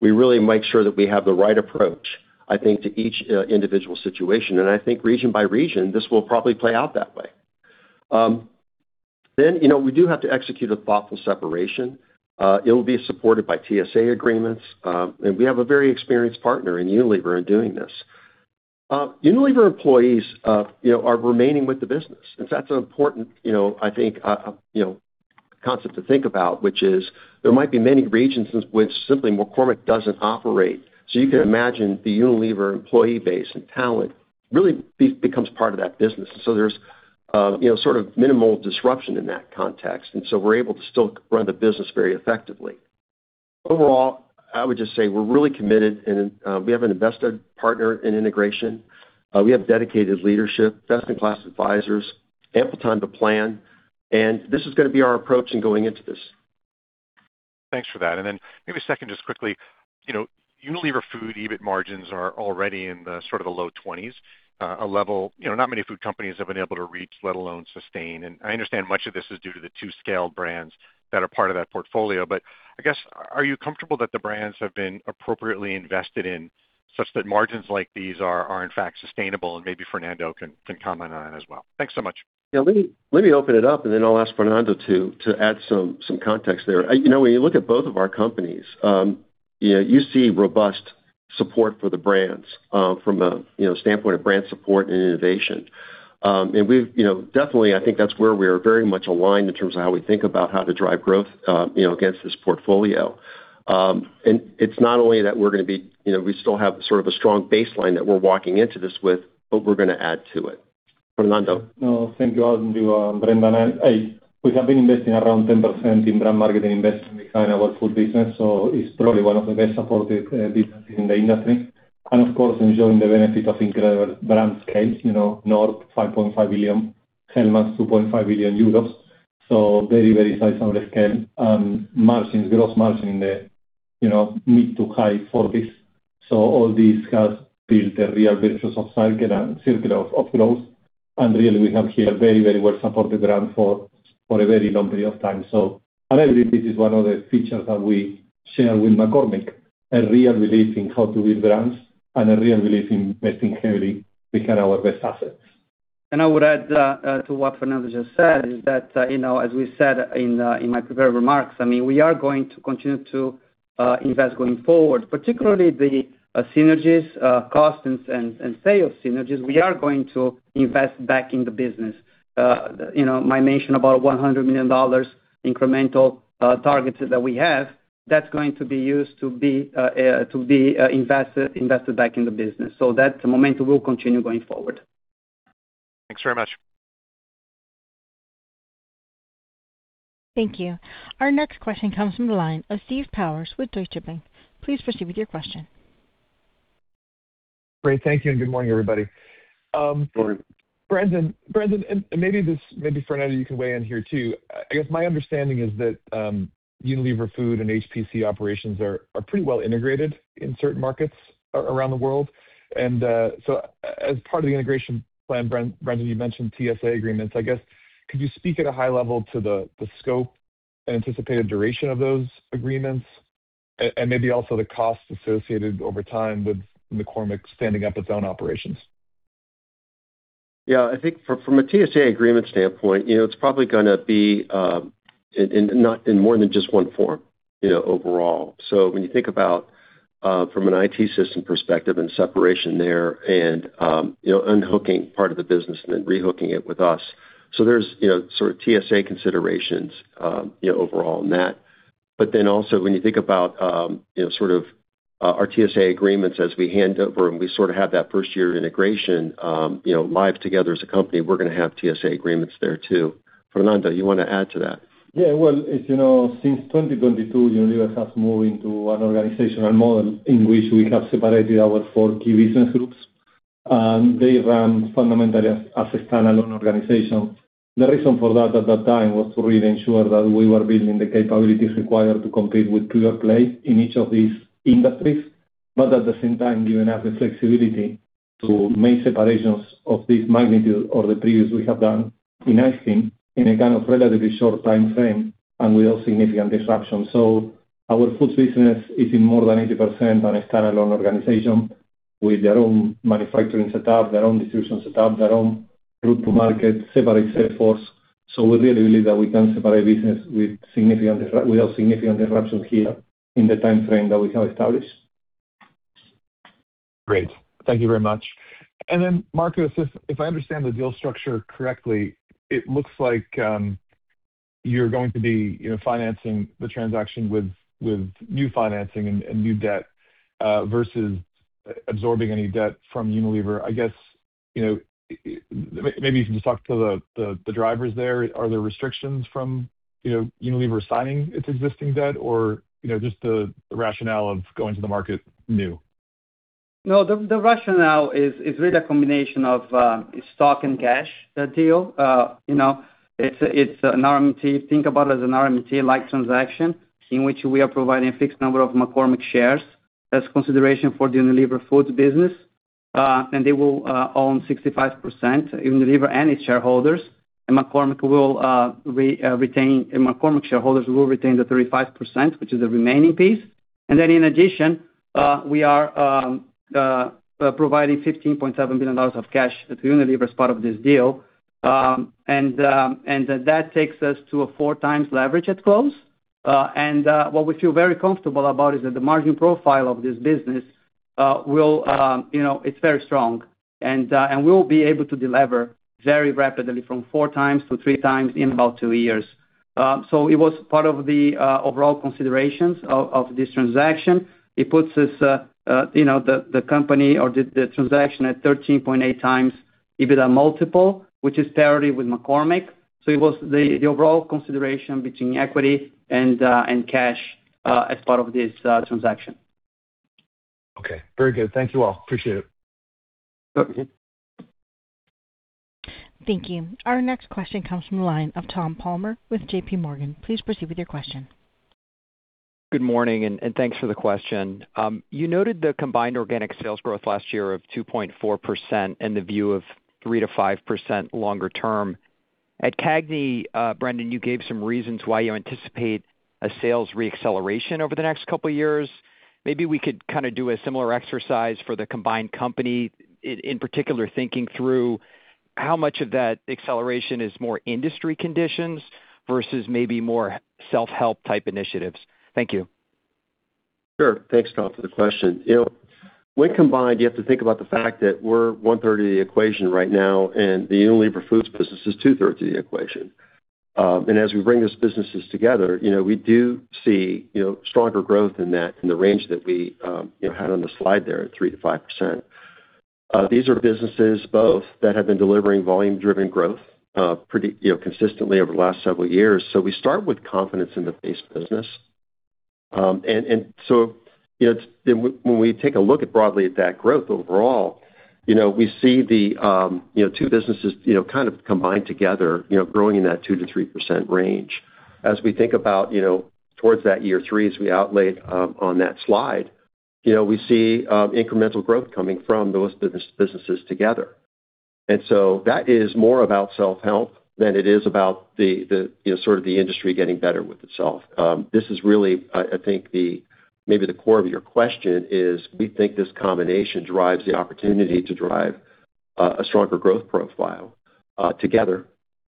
[SPEAKER 3] We really make sure that we have the right approach, I think, to each individual situation. I think region by region, this will probably play out that way. Then you know we do have to execute a thoughtful separation. It'll be supported by TSA agreements, and we have a very experienced partner in Unilever in doing this. Unilever employees, you know, are remaining with the business. That's an important, you know, I think, you know, concept to think about, which is there might be many regions in which simply McCormick doesn't operate. You can imagine the Unilever employee base and talent really becomes part of that business. There's, you know, sort of minimal disruption in that context. We're able to still run the business very effectively. Overall, I would just say we're really committed and we have an invested partner in integration. We have dedicated leadership, best-in-class advisors, ample time to plan, and this is gonna be our approach in going into this.
[SPEAKER 6] Thanks for that. Maybe second, just quickly, you know, Unilever Foods EBIT margins are already in the sort of the low 20s%, a level, you know, not many food companies have been able to reach, let alone sustain. I understand much of this is due to the two scale brands that are part of that portfolio. I guess, are you comfortable that the brands have been appropriately invested in such that margins like these are in fact sustainable? Maybe Fernando can comment on that as well. Thanks so much.
[SPEAKER 3] Yeah, let me open it up, and then I'll ask Fernando to add some context there. You know, when you look at both of our companies, you know, you see robust support for the brands from a standpoint of brand support and innovation. You know, definitely, I think that's where we are very much aligned in terms of how we think about how to drive growth, you know, against this portfolio. It's not only that we're gonna be, you know, we still have sort of a strong baseline that we're walking into this with, but we're gonna add to it. Fernando.
[SPEAKER 4] No. Thank you, Andrew and Brendan. We have been investing around 10% in brand marketing investment behind our food business, so it's probably one of the best supported businesses in the industry. Of course, enjoying the benefit of incredible brand scales, you know, Knorr, 5.5 billion, Hellmann's 2.5 billion euros. Very, very sizable scale. Margins, gross margin in the mid-to-high 40s%. All this has built a real circle of growth. Really, we have here very, very well supported brand for a very long period of time. I believe this is one of the features that we share with McCormick, a real belief in how to build brands and a real belief in investing heavily behind our best assets.
[SPEAKER 5] I would add to what Fernando just said, is that, you know, as we said in my prepared remarks, I mean, we are going to continue to invest going forward, particularly the synergies, cost and sales synergies. We are going to invest back in the business. You know, my mention about $100 million incremental targets that we have, that's going to be used to be invested back in the business. That momentum will continue going forward.
[SPEAKER 6] Thanks very much.
[SPEAKER 1] Thank you. Our next question comes from the line of Stephen Powers with Deutsche Bank. Please proceed with your question.
[SPEAKER 7] Great. Thank you and good morning, everybody.
[SPEAKER 3] Good morning.
[SPEAKER 7] Brendan, and maybe Fernando, you can weigh in here too. I guess my understanding is that Unilever Foods and HPC operations are pretty well integrated in certain markets around the world. As part of the integration plan, Brendan, you mentioned TSA agreements. I guess could you speak at a high level to the scope and anticipated duration of those agreements and maybe also the costs associated over time with McCormick standing up its own operations?
[SPEAKER 3] Yeah, I think from a TSA agreement standpoint, you know, it's probably gonna be in more than just one form, you know, overall. When you think about from an IT system perspective and separation there and, you know, unhooking part of the business and then re-hooking it with us, so there's, you know, sort of TSA considerations, you know, overall in that. Also when you think about, you know, sort of our TSA agreements as we hand over and we sort of have that first year integration, you know, live together as a company, we're gonna have TSA agreements there too. Fernando, you wanna add to that?
[SPEAKER 4] Yeah, well, as you know, since 2022, Unilever has moved into an organizational model in which we have separated our four key business groups. They run fundamentally as a standalone organization. The reason for that at that time was to really ensure that we were building the capabilities required to compete with pure plays in each of these industries, but at the same time giving us the flexibility to make separations of this magnitude or the previous we have done in ice cream in a kind of relatively short timeframe and without significant disruption. Our foods business is more than 80% a standalone organization with their own manufacturing setup, their own distribution setup, their own route to market, separate sales force. We really believe that we can separate business without significant disruption here in the timeframe that we have established.
[SPEAKER 7] Great. Thank you very much. Then, Marcos, if I understand the deal structure correctly, it looks like you're going to be, you know, financing the transaction with new financing and new debt versus absorbing any debt from Unilever. I guess, you know, maybe you can just talk to the drivers there. Are there restrictions from, you know, Unilever signing its existing debt or, you know, just the rationale of going to the market new?
[SPEAKER 5] No, the rationale is really a combination of stock and cash deal. You know, it's an RMT. Think about it as an RMT-like transaction in which we are providing a fixed number of McCormick shares as consideration for the Unilever Foods business. Unilever and its shareholders will own 65%, and McCormick shareholders will retain the 35%, which is the remaining piece. In addition, we are providing $15.7 billion of cash to Unilever as part of this deal. That takes us to 4x leverage at close. What we feel very comfortable about is that the margin profile of this business will, you know, it's very strong. We'll be able to delever very rapidly from 4x to 3x in about two years. It was part of the overall considerations of this transaction. It puts this, you know, the company or the transaction at 13.8x EBITDA multiple, which is parity with McCormick. It was the overall consideration between equity and cash as part of this transaction.
[SPEAKER 7] Okay. Very good. Thank you all. Appreciate it.
[SPEAKER 5] Okay.
[SPEAKER 1] Thank you. Our next question comes from the line of Tom Palmer with JPMorgan. Please proceed with your question.
[SPEAKER 8] Good morning, thanks for the question. You noted the combined organic sales growth last year of 2.4% and the view of 3%-5% longer term. At CAGNY, Brendan, you gave some reasons why you anticipate a sales re-acceleration over the next couple years. Maybe we could kinda do a similar exercise for the combined company in particular, thinking through how much of that acceleration is more industry conditions versus maybe more self-help type initiatives. Thank you.
[SPEAKER 3] Sure. Thanks, Tom, for the question. You know, when combined, you have to think about the fact that we're one-third of the equation right now, and the Unilever Foods business is two-thirds of the equation. And as we bring those businesses together, you know, we do see stronger growth in that, in the range that we had on the slide there at 3%-5%. These are businesses both that have been delivering volume driven growth pretty consistently over the last several years. We start with confidence in the base business. It's and when we take a look broadly at that growth overall, you know, we see the two businesses kind of combined together growing in that 2%-3% range. As we think about, you know, towards that year three, as we outlined on that slide, you know, we see incremental growth coming from those businesses together. That is more about self-help than it is about the, you know, sort of the industry getting better with itself. This is really, I think maybe the core of your question is we think this combination drives the opportunity to drive a stronger growth profile together.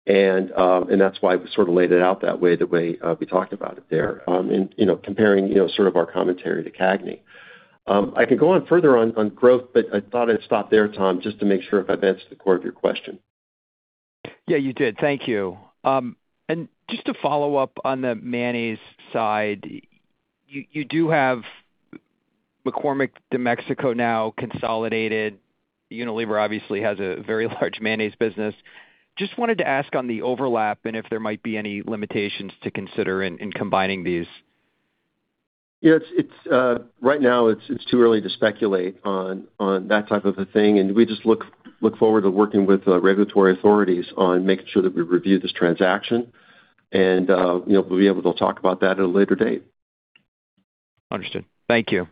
[SPEAKER 3] And that's why we sort of laid it out that way, the way we talked about it there. And, you know, comparing, you know, sort of our commentary to CAGNY. I could go on further on growth, but I thought I'd stop there, Tom, just to make sure if I've answered the core of your question.
[SPEAKER 8] Yeah, you did. Thank you. Just to follow up on the mayonnaise side, you do have McCormick de México now consolidated. Unilever obviously has a very large mayonnaise business. Just wanted to ask on the overlap and if there might be any limitations to consider in combining these.
[SPEAKER 3] Yes, it's right now too early to speculate on that type of a thing, and we just look forward to working with regulatory authorities on making sure that we review this transaction. You know, we'll be able to talk about that at a later date.
[SPEAKER 8] Understood. Thank you.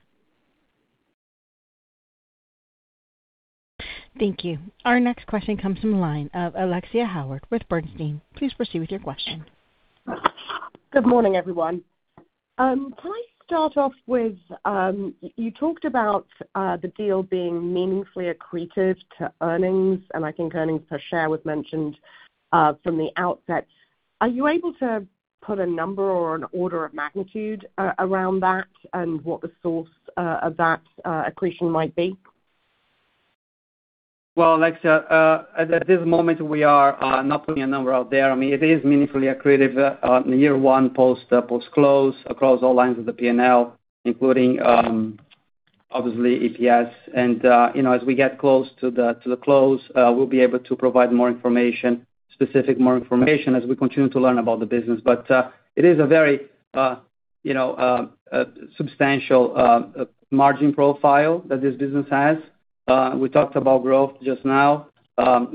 [SPEAKER 1] Thank you. Our next question comes from the line of Alexia Howard with Bernstein. Please proceed with your question.
[SPEAKER 9] Good morning, everyone. Can I start off with, you talked about the deal being meaningfully accretive to earnings, and I think earnings per share was mentioned from the outset. Are you able to put a number or an order of magnitude around that and what the source of that accretion might be?
[SPEAKER 5] Well, Alexia, at this moment, we are not putting a number out there. I mean, it is meaningfully accretive in year one post-close across all lines of the P&L, including obviously EPS. You know, as we get close to the close, we'll be able to provide more specific information as we continue to learn about the business. It is a very you know substantial margin profile that this business has. We talked about growth just now.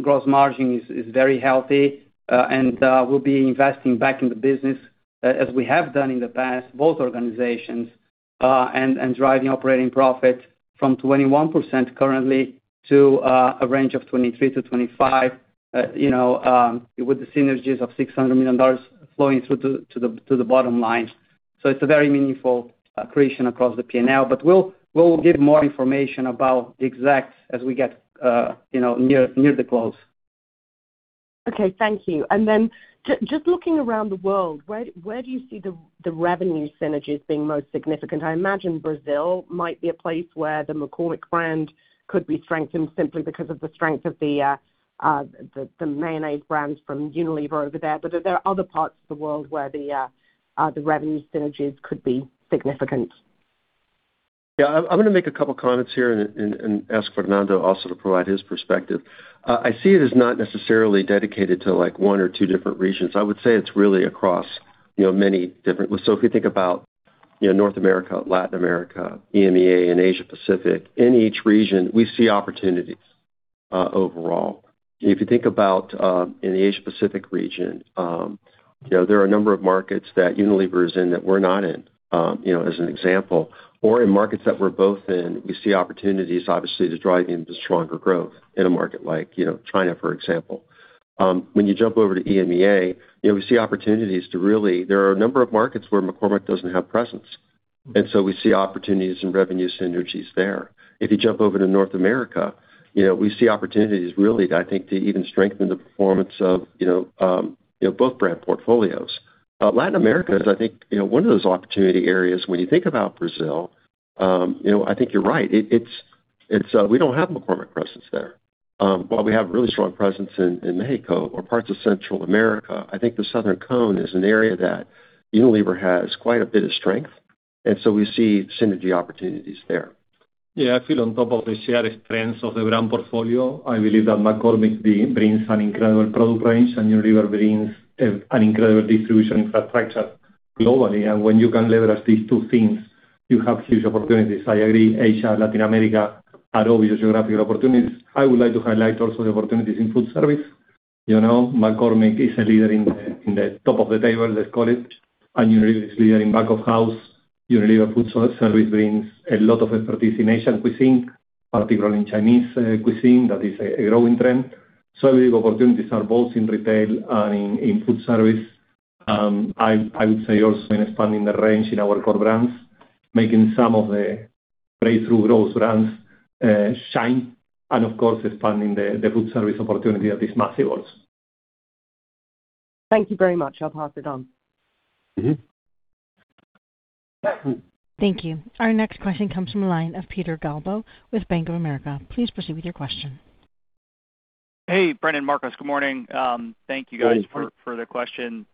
[SPEAKER 5] Gross margin is very healthy, and we'll be investing back in the business as we have done in the past, both organizations, and driving operating profits from 21% currently to a range of 23%-25%, you know, with the synergies of $600 million flowing through to the bottom line. It's a very meaningful accretion across the P&L, but we'll give more information about the exact as we get, you know, near the close.
[SPEAKER 9] Okay, thank you. Just looking around the world, where do you see the revenue synergies being most significant? I imagine Brazil might be a place where the McCormick brand could be strengthened simply because of the strength of the mayonnaise brands from Unilever over there. Are there other parts of the world where the revenue synergies could be significant?
[SPEAKER 3] Yeah. I'm gonna make a couple comments here and ask Fernando also to provide his perspective. I see it as not necessarily dedicated to like one or two different regions. I would say it's really across, you know, many different. If you think about, you know, North America, Latin America, EMEA, and Asia Pacific, in each region, we see opportunities, overall. If you think about, in the Asia Pacific region, you know, there are a number of markets that Unilever is in that we're not in, you know, as an example. Or in markets that we're both in, we see opportunities, obviously, to drive the stronger growth in a market like, you know, China, for example. When you jump over to EMEA, you know, we see opportunities. There are a number of markets where McCormick doesn't have presence, and so we see opportunities and revenue synergies there. If you jump over to North America, you know, we see opportunities really, I think, to even strengthen the performance of, you know, you know, both brand portfolios. Latin America is, I think, you know, one of those opportunity areas. When you think about Brazil, you know, I think you're right. It's, we don't have McCormick presence there. While we have really strong presence in Mexico or parts of Central America, I think the Southern Cone is an area that Unilever has quite a bit of strength, and so we see synergy opportunities there.
[SPEAKER 4] Yeah. I feel on top of the shared strengths of the brand portfolio, I believe that McCormick brings an incredible product range, and Unilever brings an incredible distribution infrastructure globally. When you can leverage these two things, you have huge opportunities. I agree, Asia, Latin America are obvious geographic opportunities. I would like to highlight also the opportunities in foodservice. You know, McCormick is a leader in the top of the table, let's call it, and Unilever is leader in back-of-house. Unilever foodservice brings a lot of expertise in Asian cuisine, particularly in Chinese cuisine. That is a growing trend. The opportunities are both in retail and in foodservice. I would say also in expanding the range in our core brands, making some of the breakthrough growth brands shine, and of course, expanding the foodservice opportunity of these massive worlds.
[SPEAKER 9] Thank you very much. I'll pass it on.
[SPEAKER 5] Mm-hmm.
[SPEAKER 1] Thank you. Our next question comes from a line of Peter Galbo with Bank of America. Please proceed with your question.
[SPEAKER 10] Hey, Brendan, Marcos, good morning. Thank you guys for the question.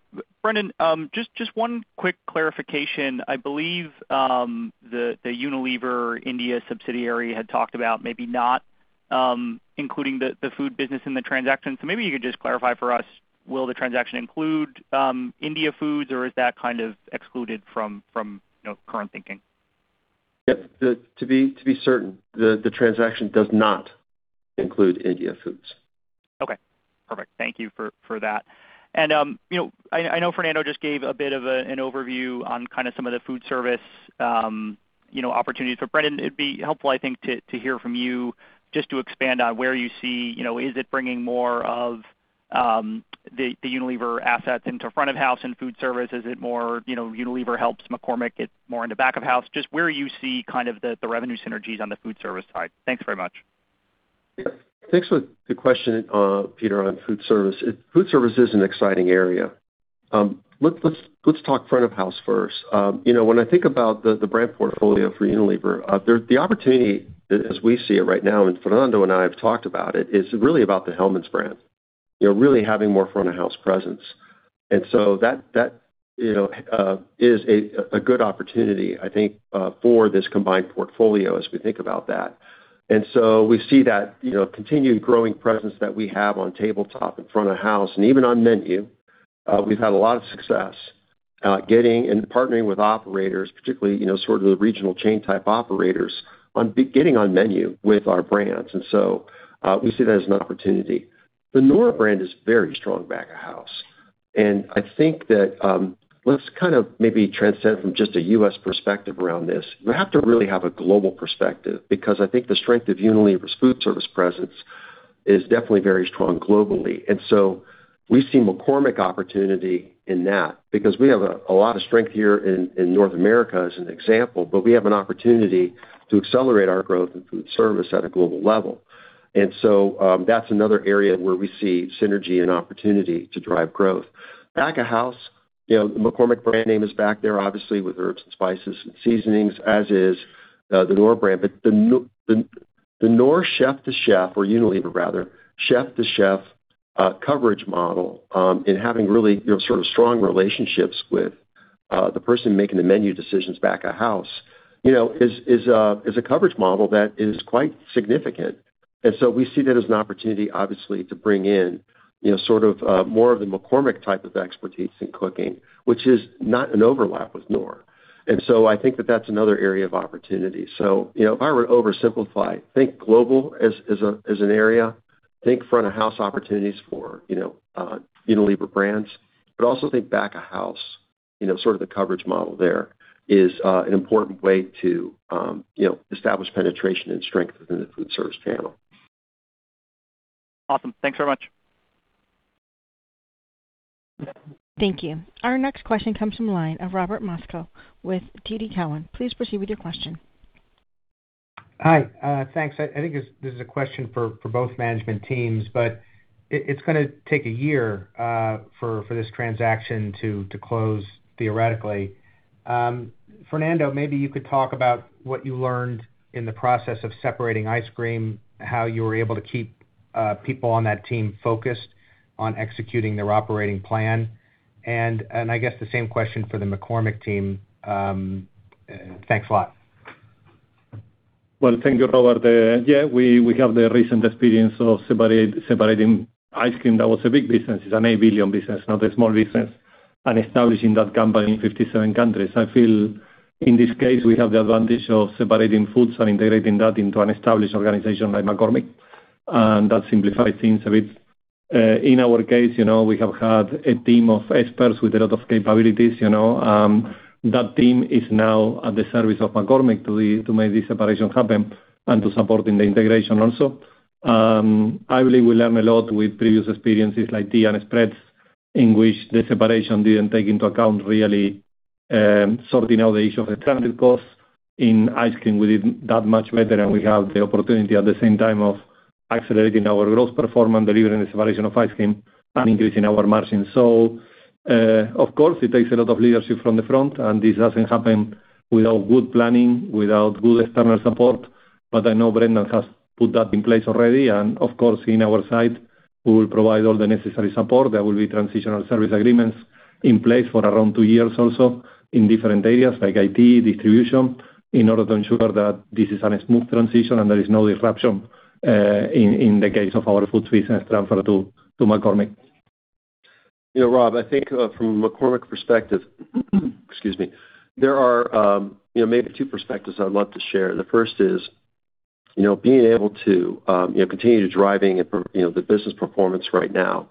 [SPEAKER 10] Brendan, just one quick clarification. I believe the Hindustan Unilever Limited had talked about maybe not including the food business in the transaction. Maybe you could just clarify for us, will the transaction include India Foods, or is that kind of excluded from you know, current thinking?
[SPEAKER 3] Yep. To be certain, the transaction does not include India Foods.
[SPEAKER 10] Okay. Perfect. Thank you for that. You know, I know Fernando just gave a bit of an overview on kinda some of the foodservice, you know, opportunities. Brendan, it'd be helpful, I think, to hear from you just to expand on where you see, you know, is it bringing more of the Unilever assets into front-of-house and foodservice? Is it more, you know, Unilever helps McCormick get more in the back-of-house? Just where you see kind of the revenue synergies on the foodservice side. Thanks very much.
[SPEAKER 3] Yeah. Thanks for the question, Peter, on foodservice. foodservice is an exciting area. Let's talk front-of-house first. You know, when I think about the brand portfolio for Unilever, the opportunity as we see it right now, and Fernando and I have talked about it, is really about the Hellmann's brand. You know, really having more front-of-house presence. That is a good opportunity, I think, for this combined portfolio as we think about that. We see that continued growing presence that we have on tabletop and front-of-house and even on menu. We've had a lot of success getting and partnering with operators, particularly you know sort of the regional chain type operators on getting on menu with our brands. We see that as an opportunity. The Knorr brand is very strong back-of-house. I think that, let's kind of maybe transcend from just a U.S. perspective around this. You have to really have a global perspective because I think the strength of Unilever's foodservice presence is definitely very strong globally. We see McCormick opportunity in that because we have a lot of strength here in North America as an example, but we have an opportunity to accelerate our growth in foodservice at a global level. That's another area where we see synergy and opportunity to drive growth. back-of-house, you know, the McCormick brand name is back there obviously with herbs and spices and seasonings, as is the Knorr brand. The Knorr chef-to-chef or Unilever rather, chef-to-chef, coverage model in having really, you know, sort of strong relationships with the person making the menu decisions back-of-house, you know, is a coverage model that is quite significant. We see that as an opportunity, obviously, to bring in, you know, sort of more of the McCormick type of expertise in cooking, which is not an overlap with Knorr. I think that that's another area of opportunity. You know, if I were to oversimplify, think global as an area, think front-of-house opportunities for, you know, Unilever brands, but also think back-of-house, you know, sort of the coverage model there is an important way to, you know, establish penetration and strength within the foodservice channel.
[SPEAKER 10] Awesome. Thanks very much.
[SPEAKER 1] Thank you. Our next question comes from the line of Robert Moskow with TD Cowen. Please proceed with your question.
[SPEAKER 11] Hi, thanks. I think this is a question for both management teams. It's gonna take a year for this transaction to close theoretically. Fernando, maybe you could talk about what you learned in the process of separating ice cream, how you were able to keep people on that team focused on executing their operating plan. I guess the same question for the McCormick team. Thanks a lot.
[SPEAKER 4] Well, thank you, Robert. We have the recent experience of separating ice cream that was a big business. It's an $8 billion business, not a small business, and establishing that company in 57 countries. I feel in this case, we have the advantage of separating foods and integrating that into an established organization like McCormick, and that simplifies things a bit. In our case, you know, we have had a team of experts with a lot of capabilities, you know. That team is now at the service of McCormick to make the separation happen and to support in the integration also. I believe we learn a lot with previous experiences like tea and spreads, in which the separation didn't take into account really sorting out the issue of the transition costs. In ice cream, we did that much better, and we have the opportunity at the same time of accelerating our growth performance, delivering the separation of ice cream and increasing our margins. Of course, it takes a lot of leadership from the front, and this doesn't happen without good planning, without good external support. I know Brendan has put that in place already, and of course, on our side, we will provide all the necessary support. There will be transitional service agreements in place for around two years also in different areas like IT, distribution, in order to ensure that this is a smooth transition and there is no disruption in the case of our food business transfer to McCormick.
[SPEAKER 3] You know, Robert, I think from a McCormick perspective, excuse me, there are, you know, maybe two perspectives I would love to share. The first is, you know, being able to, you know, continue to driving it from, you know, the business performance right now.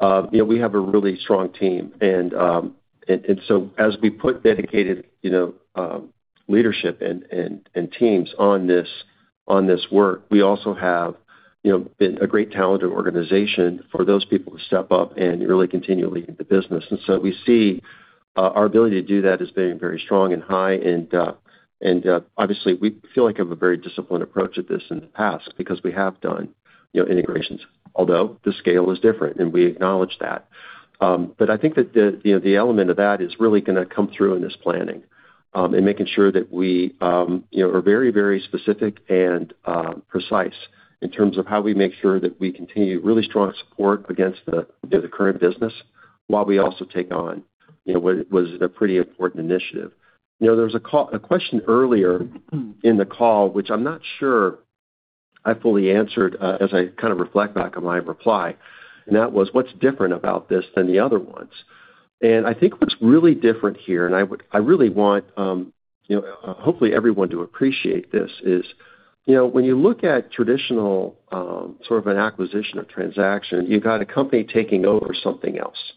[SPEAKER 3] You know, we have a really strong team and so as we put dedicated, you know, leadership and teams on this work, we also have, you know, been a great talented organization for those people to step up and really continue leading the business. We see our ability to do that as being very strong and high, obviously, we feel like we have a very disciplined approach at this in the past because we have done, you know, integrations, although the scale is different, and we acknowledge that. I think that the, you know, the element of that is really gonna come through in this planning, in making sure that we, you know, are very, very specific and precise in terms of how we make sure that we continue really strong support against the, you know, the current business while we also take on, you know, what is a pretty important initiative. You know, there was a question earlier in the call, which I'm not sure I fully answered, as I kind of reflect back on my reply, and that was what's different about this than the other ones. I think what's really different here, and I really want, you know, hopefully everyone to appreciate this, is, you know, when you look at traditional, sort of an acquisition or transaction, you've got a company taking over something else.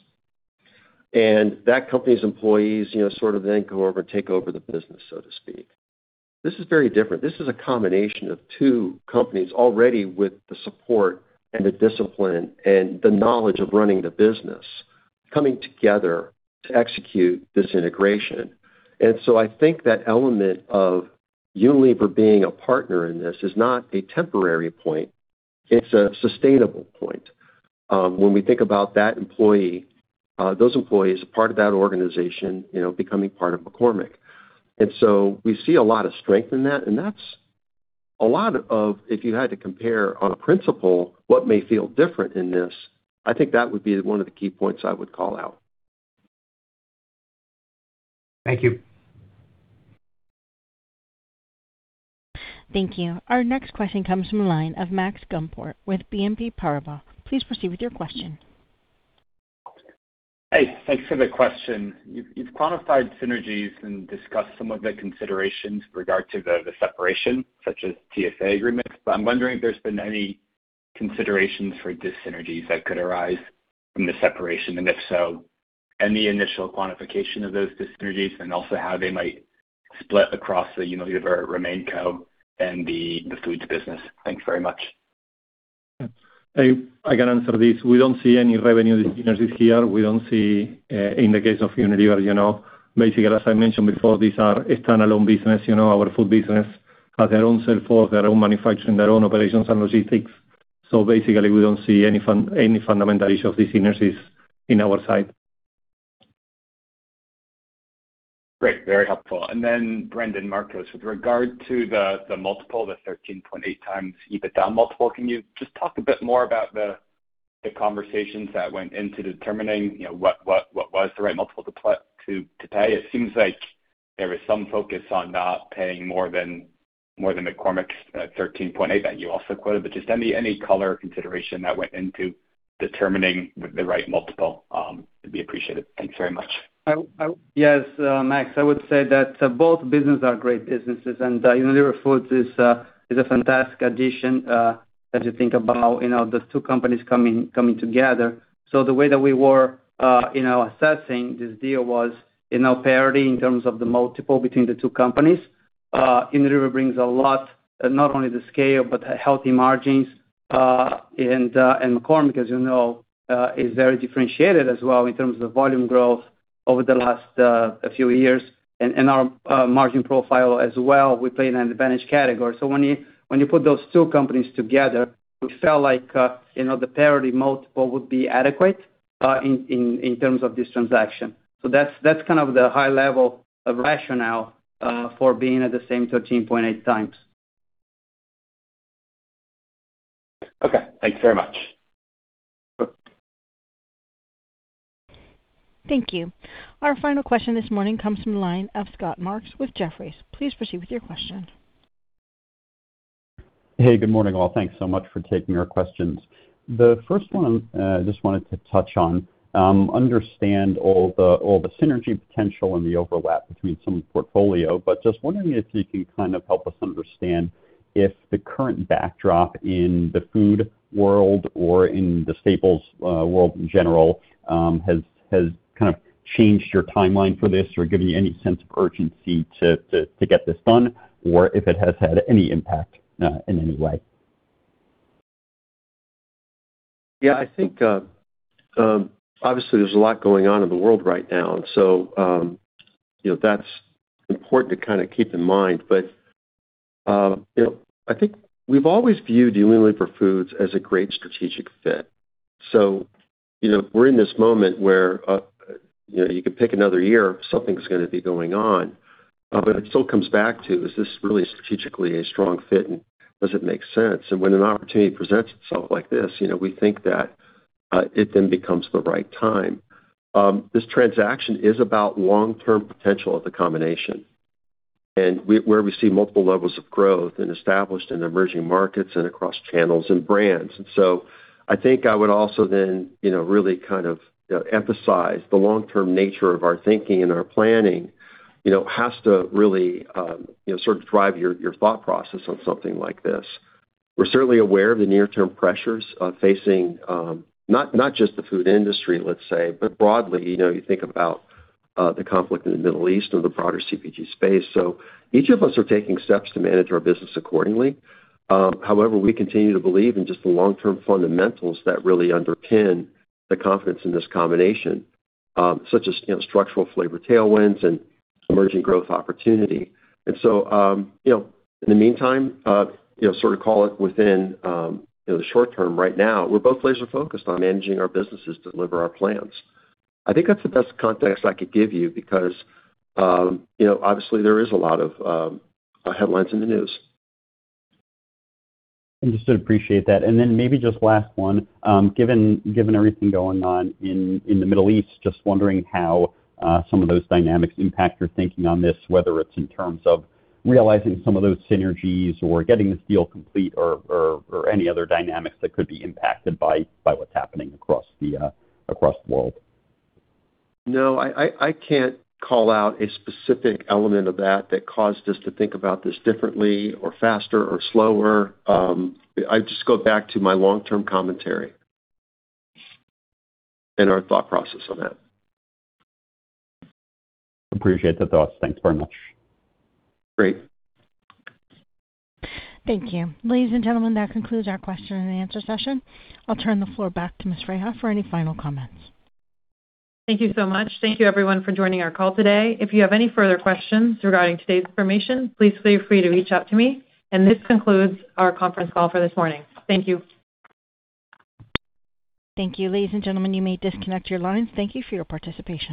[SPEAKER 3] That company's employees, you know, sort of then go over and take over the business, so to speak. This is very different. This is a combination of two companies already with the support and the discipline and the knowledge of running the business, coming together to execute this integration. I think that element of Unilever being a partner in this is not a temporary point, it's a sustainable point. When we think about those employees, part of that organization, you know, becoming part of McCormick. We see a lot of strength in that, and that's a lot of, if you had to compare on a principle what may feel different in this, I think that would be one of the key points I would call out.
[SPEAKER 11] Thank you.
[SPEAKER 1] Thank you. Our next question comes from the line of Max Gumport with BNP Paribas. Please proceed with your question.
[SPEAKER 12] Hey, thanks for the question. You've quantified synergies and discussed some of the considerations with regard to the separation, such as TSA agreements. I'm wondering if there's been any considerations for dis-synergies that could arise from the separation, and if so, any initial quantification of those dis-synergies, and also how they might split across the Unilever RemainCo and the Foods business. Thank you very much.
[SPEAKER 4] I can answer this. We don't see any revenue synergies here. We don't see, in the case of Unilever, you know. Basically, as I mentioned before, these are a standalone business. You know, our food business has their own sales force, their own manufacturing, their own operations and logistics. Basically, we don't see any fundamental issue of these synergies on our side.
[SPEAKER 12] Great. Very helpful. Brendan, Marcos. With regard to the multiple, the 13.8x EBITDA multiple, can you just talk a bit more about the conversations that went into determining what was the right multiple to pay? It seems like there was some focus on not paying more than McCormick's 13.8 that you also quoted. But just any color or consideration that went into determining the right multiple would be appreciated. Thank you very much.
[SPEAKER 5] Yes, Max, I would say that both businesses are great businesses, and Unilever Foods is a fantastic addition as you think about, you know, the two companies coming together. The way that we were, you know, assessing this deal was, you know, parity in terms of the multiple between the two companies. Unilever brings a lot, not only the scale, but healthy margins. And McCormick, as you know, is very differentiated as well in terms of volume growth over the last few years. And our margin profile as well, we play an advantage category. When you put those two companies together, we felt like, you know, the parity multiple would be adequate in terms of this transaction. That's kind of the high level of rationale for being at the same 13.8 times.
[SPEAKER 12] Okay. Thank you very much.
[SPEAKER 5] Sure.
[SPEAKER 1] Thank you. Our final question this morning comes from the line of Scott Marks with Jefferies. Please proceed with your question.
[SPEAKER 13] Hey, good morning, all. Thanks so much for taking our questions. The first one, I just wanted to touch on, understand all the synergy potential and the overlap between some portfolio, but just wondering if you can kind of help us understand if the current backdrop in the food world or in the staples world in general has kind of changed your timeline for this or given you any sense of urgency to get this done or if it has had any impact in any way.
[SPEAKER 3] Yeah. I think, obviously there's a lot going on in the world right now. You know, that's important to kinda keep in mind. You know, I think we've always viewed Unilever Foods as a great strategic fit. You know, we're in this moment where, you know, you could pick another year, something's gonna be going on. But it still comes back to, is this really strategically a strong fit and does it make sense? When an opportunity presents itself like this, you know, we think that, it then becomes the right time. This transaction is about long-term potential of the combination and where we see multiple levels of growth in established and emerging markets and across channels and brands. I think I would also then, you know, really kind of, you know, emphasize the long-term nature of our thinking and our planning, you know, has to really, you know, sort of drive your thought process on something like this. We're certainly aware of the near-term pressures facing not just the food industry, let's say, but broadly, you know, you think about the conflict in the Middle East or the broader CPG space. Each of us are taking steps to manage our business accordingly. However, we continue to believe in just the long-term fundamentals that really underpin the confidence in this combination, such as, you know, structural flavor tailwinds and emerging growth opportunity. You know, in the meantime, you know, sort of call it within, you know, the short term right now, we're both laser focused on managing our businesses to deliver our plans. I think that's the best context I could give you because, you know, obviously there is a lot of headlines in the news.
[SPEAKER 13] I just appreciate that. Then maybe just last one. Given everything going on in the Middle East, just wondering how some of those dynamics impact your thinking on this, whether it's in terms of realizing some of those synergies or getting this deal complete or any other dynamics that could be impacted by what's happening across the world.
[SPEAKER 3] No, I can't call out a specific element of that that caused us to think about this differently or faster or slower. I'd just go back to my long-term commentary and our thought process on that.
[SPEAKER 13] Appreciate the thoughts. Thank you very much.
[SPEAKER 3] Great.
[SPEAKER 1] Thank you. Ladies and gentlemen, that concludes our question and answer session. I'll turn the floor back to Ms. Freiha for any final comments.
[SPEAKER 2] Thank you so much. Thank you everyone for joining our call today. If you have any further questions regarding today's information, please feel free to reach out to me. This concludes our conference call for this morning. Thank you.
[SPEAKER 1] Thank you. Ladies and gentlemen, you may disconnect your lines. Thank you for your participation.